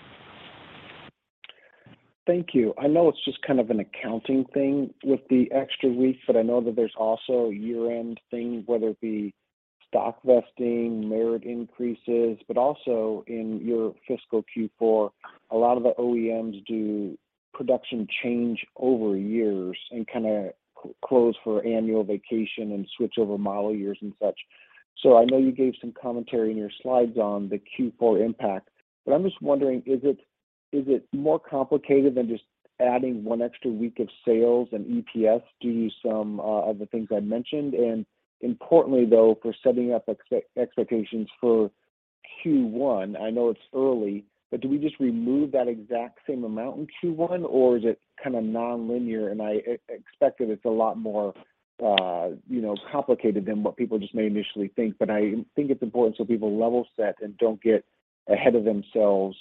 Thank you. I know it's just kind of an accounting thing with the extra week, but I know that there's also year-end things, whether it be stock vesting, merit increases. Also in your fiscal Q4, a lot of the OEMs do production change over years and kinda close for annual vacation and switch over model years and such. I know you gave some commentary in your slides on the Q4 impact, but I'm just wondering, is it more complicated than just adding one extra week of sales and EPS due to some of the things I mentioned? Importantly though, for setting up expectations for Q1, I know it's early, but do we just remove that exact same amount in Q1 or is it kind of nonlinear? I expect that it's a lot more, you know, complicated than what people just may initially think. I think it's important so people level set and don't get ahead of themselves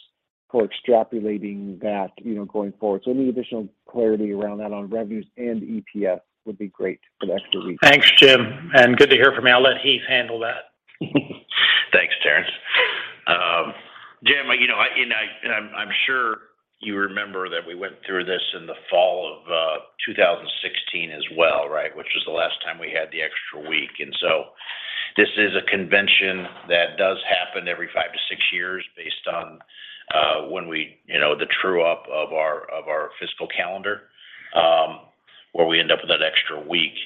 for extrapolating that, you know, going forward. Any additional clarity around that on revenues and EPS would be great for the extra week. Thanks, Jim, and good to hear from you. I'll let Heath handle that. Thanks, Terrence. Jim, you know, I'm sure you remember that we went through this in the fall of 2016 as well, right? Which was the last time we had the extra week. This is a convention that does happen every five to six years based on when we, you know, the true up of our fiscal calendar, where we end up with that extra week.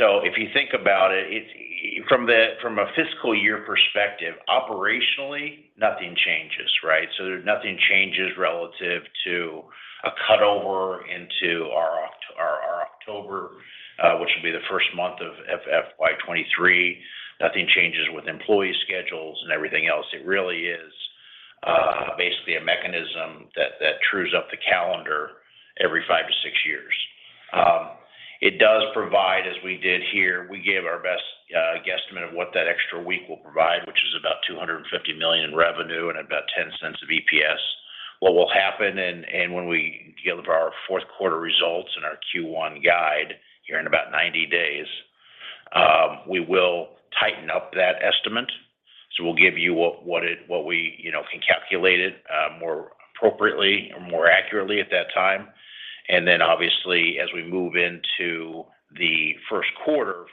If you think about it from a fiscal year perspective, operationally nothing changes, right? There's nothing changes relative to a cut over into our October, which would be the first month of FY 23. Nothing changes with employee schedules and everything else. It really is basically a mechanism that trues up the calendar every five to six years. It does provide, as we did here, we gave our best guesstimate of what that extra week will provide, which is about $250 million in revenue and about $0.10 of EPS. What will happen and when we give our fourth quarter results and our Q1 guide here in about 90 days, we will tighten up that estimate. We'll give you what we, you know, can calculate it more appropriately or more accurately at that time. Then obviously as we move into the first quarter,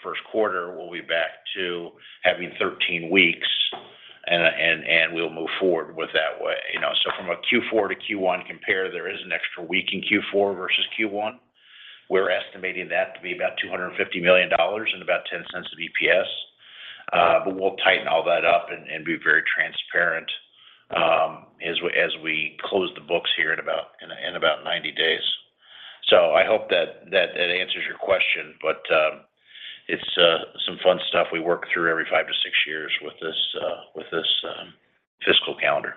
we'll be back to having 13 weeks and we'll move forward that way. You know, from a Q4 to Q1 compare, there is an extra week in Q4 versus Q1. We're estimating that to be about $250 million and about $0.10 of EPS. We'll tighten all that up and be very transparent, as we close the books here in about 90 days. I hope that answers your question. It's some fun stuff we work through every five to six years with this fiscal calendar.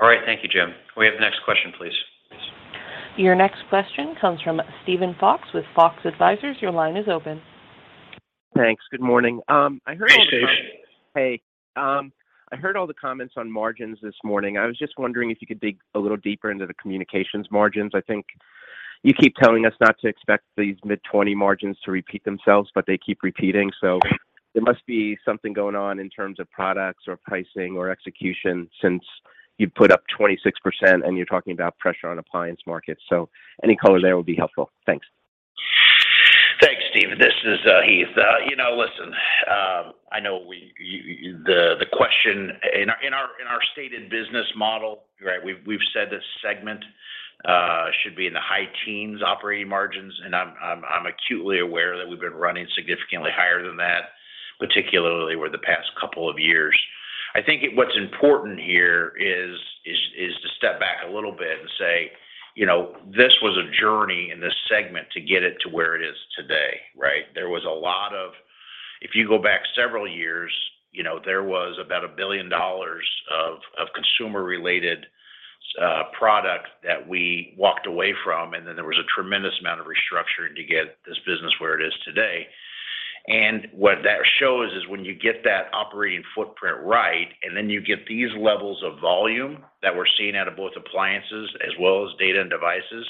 All right. Thank you, Jim. Can we have the next question, please? Your next question comes from Steven Fox with Fox Advisors. Your line is open. Thanks. Good morning. Hey, Steve. Hey. I heard all the comments on margins this morning. I was just wondering if you could dig a little deeper into the communications margins. I think you keep telling us not to expect these mid-20% margins to repeat themselves, but they keep repeating. There must be something going on in terms of products or pricing or execution since you put up 26% and you're talking about pressure on appliance markets. Any color there would be helpful. Thanks. Thanks, Steven. This is Heath. You know, listen, I know the question in our stated business model, right? We've said this segment should be in the high teens operating margins, and I'm acutely aware that we've been running significantly higher than that. Particularly over the past couple of years. I think what's important here is to step back a little bit and say, you know, this was a journey in this segment to get it to where it is today, right? If you go back several years, you know, there was about $1 billion of consumer-related product that we walked away from, and then there was a tremendous amount of restructuring to get this business where it is today. What that shows is when you get that operating footprint right, and then you get these levels of volume that we're seeing out of both appliances as well as data and devices,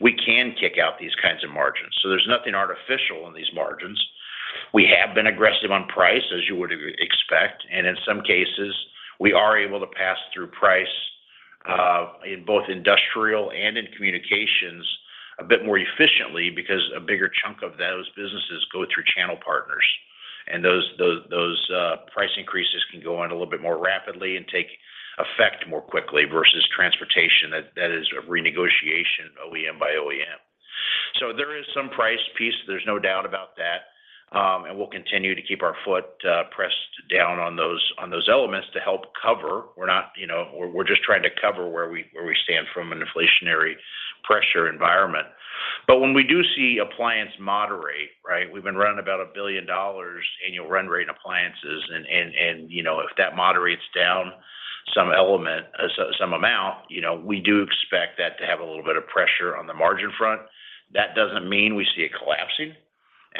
we can kick out these kinds of margins. There's nothing artificial in these margins. We have been aggressive on price, as you would expect, and in some cases, we are able to pass through price in both industrial and in communications a bit more efficiently because a bigger chunk of those businesses go through channel partners. Those price increases can go on a little bit more rapidly and take effect more quickly versus transportation that is a renegotiation OEM by OEM. There is some price piece, there's no doubt about that. We'll continue to keep our foot pressed down on those elements to help cover. We're not, you know, we're just trying to cover where we stand from an inflationary pressure environment. When we do see appliances moderate, right? We've been running about $1 billion annual run rate in appliances and you know, if that moderates down some element, some amount, you know, we do expect that to have a little bit of pressure on the margin front. That doesn't mean we see it collapsing.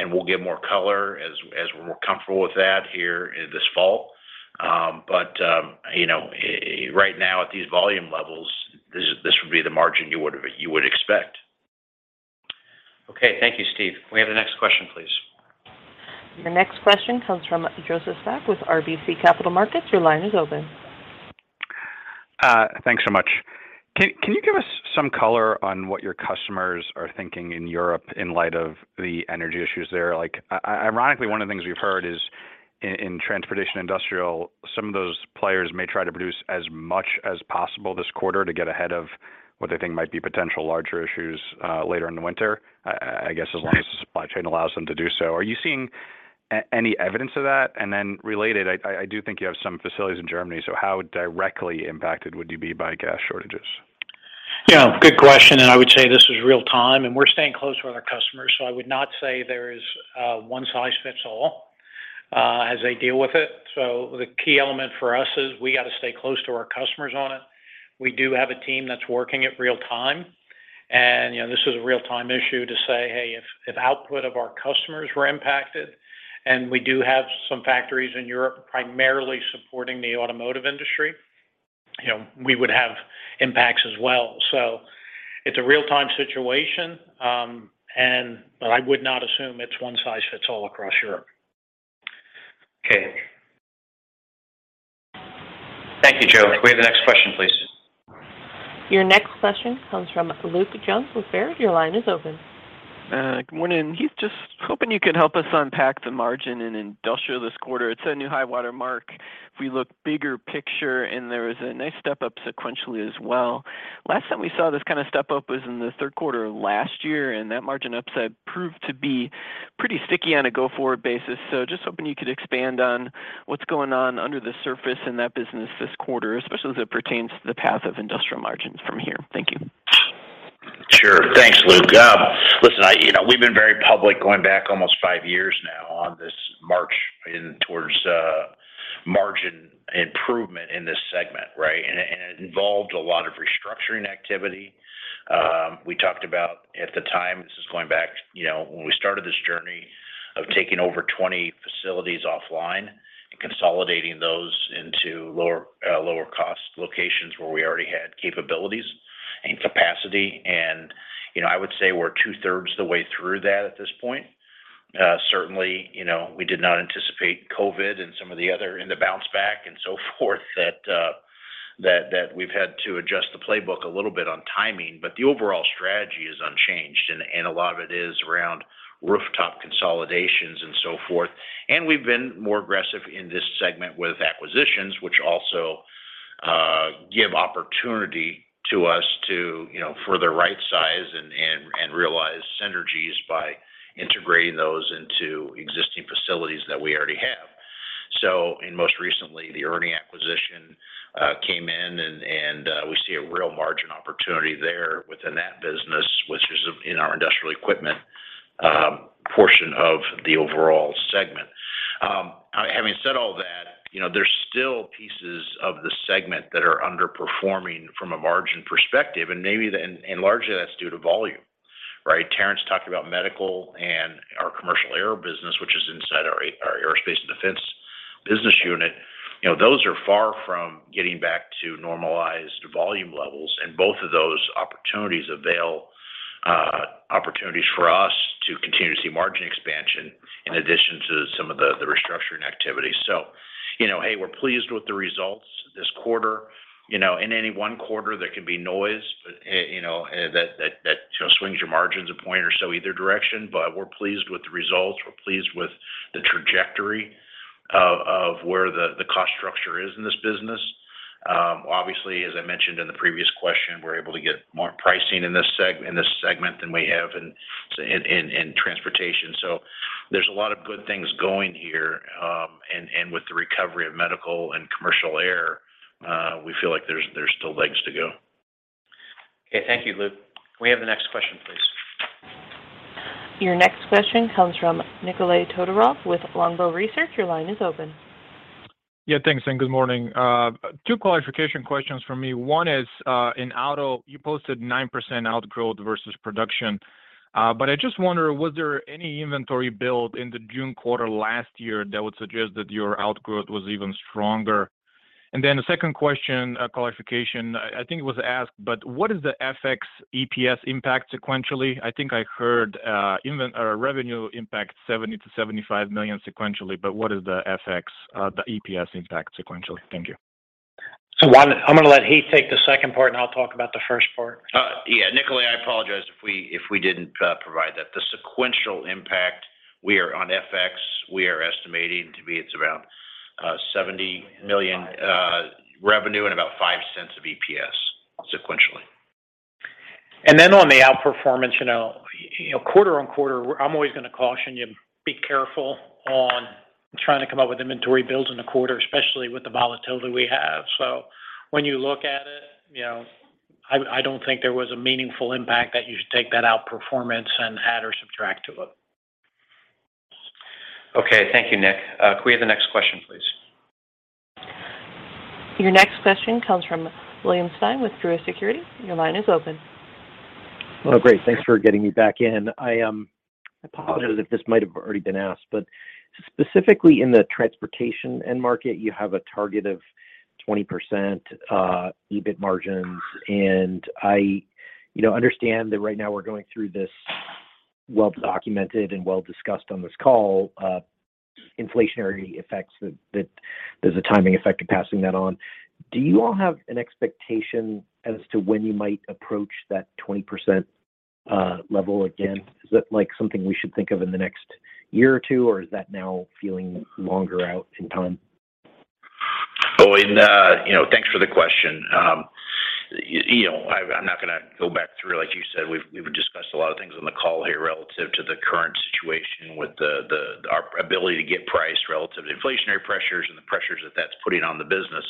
We'll give more color as we're more comfortable with that here this fall. You know, right now at these volume levels, this would be the margin you would expect. Okay. Thank you, Steve. Can we have the next question, please? The next question comes from Joseph Spak with RBC Capital Markets. Your line is open. Thanks so much. Can you give us some color on what your customers are thinking in Europe in light of the energy issues there? Like, ironically, one of the things we've heard is in transportation industrial, some of those players may try to produce as much as possible this quarter to get ahead of what they think might be potential larger issues later in the winter. Sure. I guess as long as the supply chain allows them to do so. Are you seeing any evidence of that? Related, I do think you have some facilities in Germany. How directly impacted would you be by gas shortages? Yeah, good question, and I would say this is real time, and we're staying close with our customers. I would not say there is one size fits all, as they deal with it. The key element for us is we got to stay close to our customers on it. We do have a team that's working it real time. You know, this is a real time issue to say, "Hey, if output of our customers were impacted," and we do have some factories in Europe primarily supporting the automotive industry. You know, we would have impacts as well. It's a real-time situation, but I would not assume it's one size fits all across Europe. Okay. Thank you, Joe. Can we have the next question, please? Your next question comes from Luke Junk with Baird. Your line is open. Good morning. Heath, just hoping you could help us unpack the margin in industrial this quarter. It set a new high-water mark if we look bigger picture, and there is a nice step up sequentially as well. Last time we saw this kind of step up was in the third quarter of last year, and that margin upside proved to be pretty sticky on a go-forward basis. Just hoping you could expand on what's going on under the surface in that business this quarter, especially as it pertains to the path of industrial margins from here. Thank you. Sure. Thanks, Luke. Listen, you know, we've been very public going back almost 5 years now on this march in towards margin improvement in this segment, right? It involved a lot of restructuring activity. We talked about at the time, this is going back, you know, when we started this journey of taking over 20 facilities offline and consolidating those into lower cost locations where we already had capabilities and capacity. You know, I would say we're 2/3 the way through that at this point. Certainly, you know, we did not anticipate COVID and some of the other and the bounce back and so forth that we've had to adjust the playbook a little bit on timing. The overall strategy is unchanged, and a lot of it is around rooftop consolidations and so forth. We've been more aggressive in this segment with acquisitions, which also give opportunity to us to, you know, further rightsize and realize synergies by integrating those into existing facilities that we already have. Most recently, the ERNI acquisition came in and we see a real margin opportunity there within that business, which is in our industrial equipment portion of the overall segment. Having said all that, you know, there's still pieces of the segment that are underperforming from a margin perspective, and largely that's due to volume, right? Terrence talked about medical and our commercial air business, which is inside our aerospace and defense business unit. You know, those are far from getting back to normalized volume levels, and both of those opportunities avail opportunities for us to continue to see margin expansion in addition to some of the restructuring activity. You know, hey, we're pleased with the results this quarter. You know, in any one quarter, there can be noise, you know, that you know swings your margins a point or so either direction. We're pleased with the results. We're pleased with the trajectory of where the cost structure is in this business. Obviously, as I mentioned in the previous question, we're able to get more pricing in this segment than we have in transportation. There's a lot of good things going here. With the recovery of medical and commercial air, we feel like there's still legs to go. Okay. Thank you, Luke. Can we have the next question, please? Your next question comes from Nikolay Todorov with Longbow Research. Your line is open. Yeah, thanks, and good morning. Two qualifying questions from me. One is, in auto, you posted 9% outgrowth versus production. I just wonder, was there any inventory build in the June quarter last year that would suggest that your outgrowth was even stronger? The second qualifying question, I think it was asked, but what is the FX EPS impact sequentially? I think I heard revenue impact $70 million-$75 million sequentially, but what is the FX, the EPS impact sequentially? Thank you. One, I'm gonna let Heath take the second part, and I'll talk about the first part. Yeah, Nikolay, I apologize if we didn't provide that. The sequential impact we are on FX, we are estimating to be, it's around $70 million revenue and about $0.05 of EPS sequentially. Then on the outperformance, you know, you know, quarter-on-quarter, I'm always gonna caution you, be careful on trying to come up with inventory builds in the quarter, especially with the volatility we have. When you look at it, you know, I don't think there was a meaningful impact that you should take that outperformance and add or subtract to it. Okay. Thank you, Nick. Can we have the next question, please? Your next question comes from William Stein with Truist Securities. Your line is open. Oh, great. Thanks for getting me back in. I apologize if this might have already been asked, but specifically in the transportation end market, you have a target of 20% EBIT margins. I you know understand that right now we're going through this well-documented and well-discussed on this call inflationary effects that there's a timing effect of passing that on. Do you all have an expectation as to when you might approach that 20% level again? Is that like something we should think of in the next year or two, or is that now feeling longer out in time? Oh, you know, thanks for the question. You know, I'm not gonna go back through, like you said, we've discussed a lot of things on the call here relative to the current situation with our ability to get price relative to inflationary pressures and the pressures that that's putting on the business.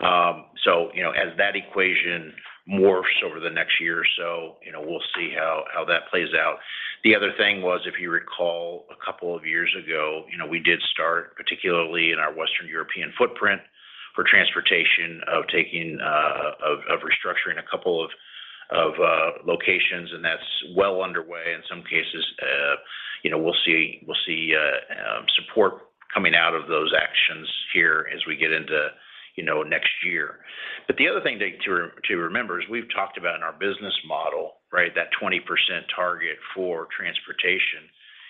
You know, as that equation morphs over the next year or so, you know, we'll see how that plays out. The other thing was, if you recall a couple of years ago, you know, we did start, particularly in our Western European footprint for transportation, of restructuring a couple of locations, and that's well underway. In some cases, you know, we'll see support coming out of those actions here as we get into, you know, next year. The other thing to remember is we've talked about in our business model, right, that 20% target for transportation.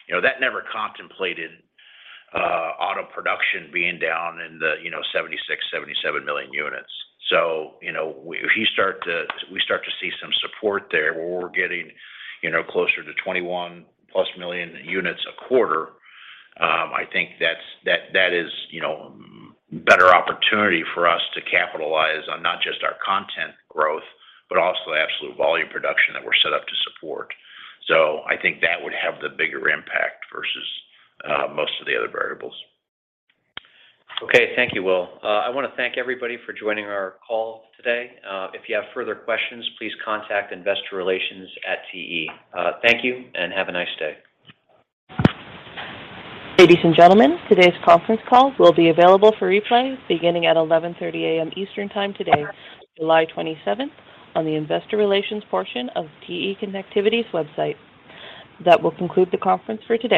You know, that never contemplated auto production being down in the 76-77 million units. You know, we start to see some support there where we're getting, you know, closer to 21+ million units a quarter. I think that is, you know, better opportunity for us to capitalize on not just our content growth, but also the absolute volume production that we're set up to support. I think that would have the bigger impact versus most of the other variables. Okay. Thank you, Will. I wanna thank everybody for joining our call today. If you have further questions, please contact investorrelations@te. Thank you and have a nice day. Ladies and gentlemen, today's conference call will be available for replay beginning at 11:30 A.M. Eastern time today, July 27, on the investor relations portion of TE Connectivity's website. That will conclude the conference for today.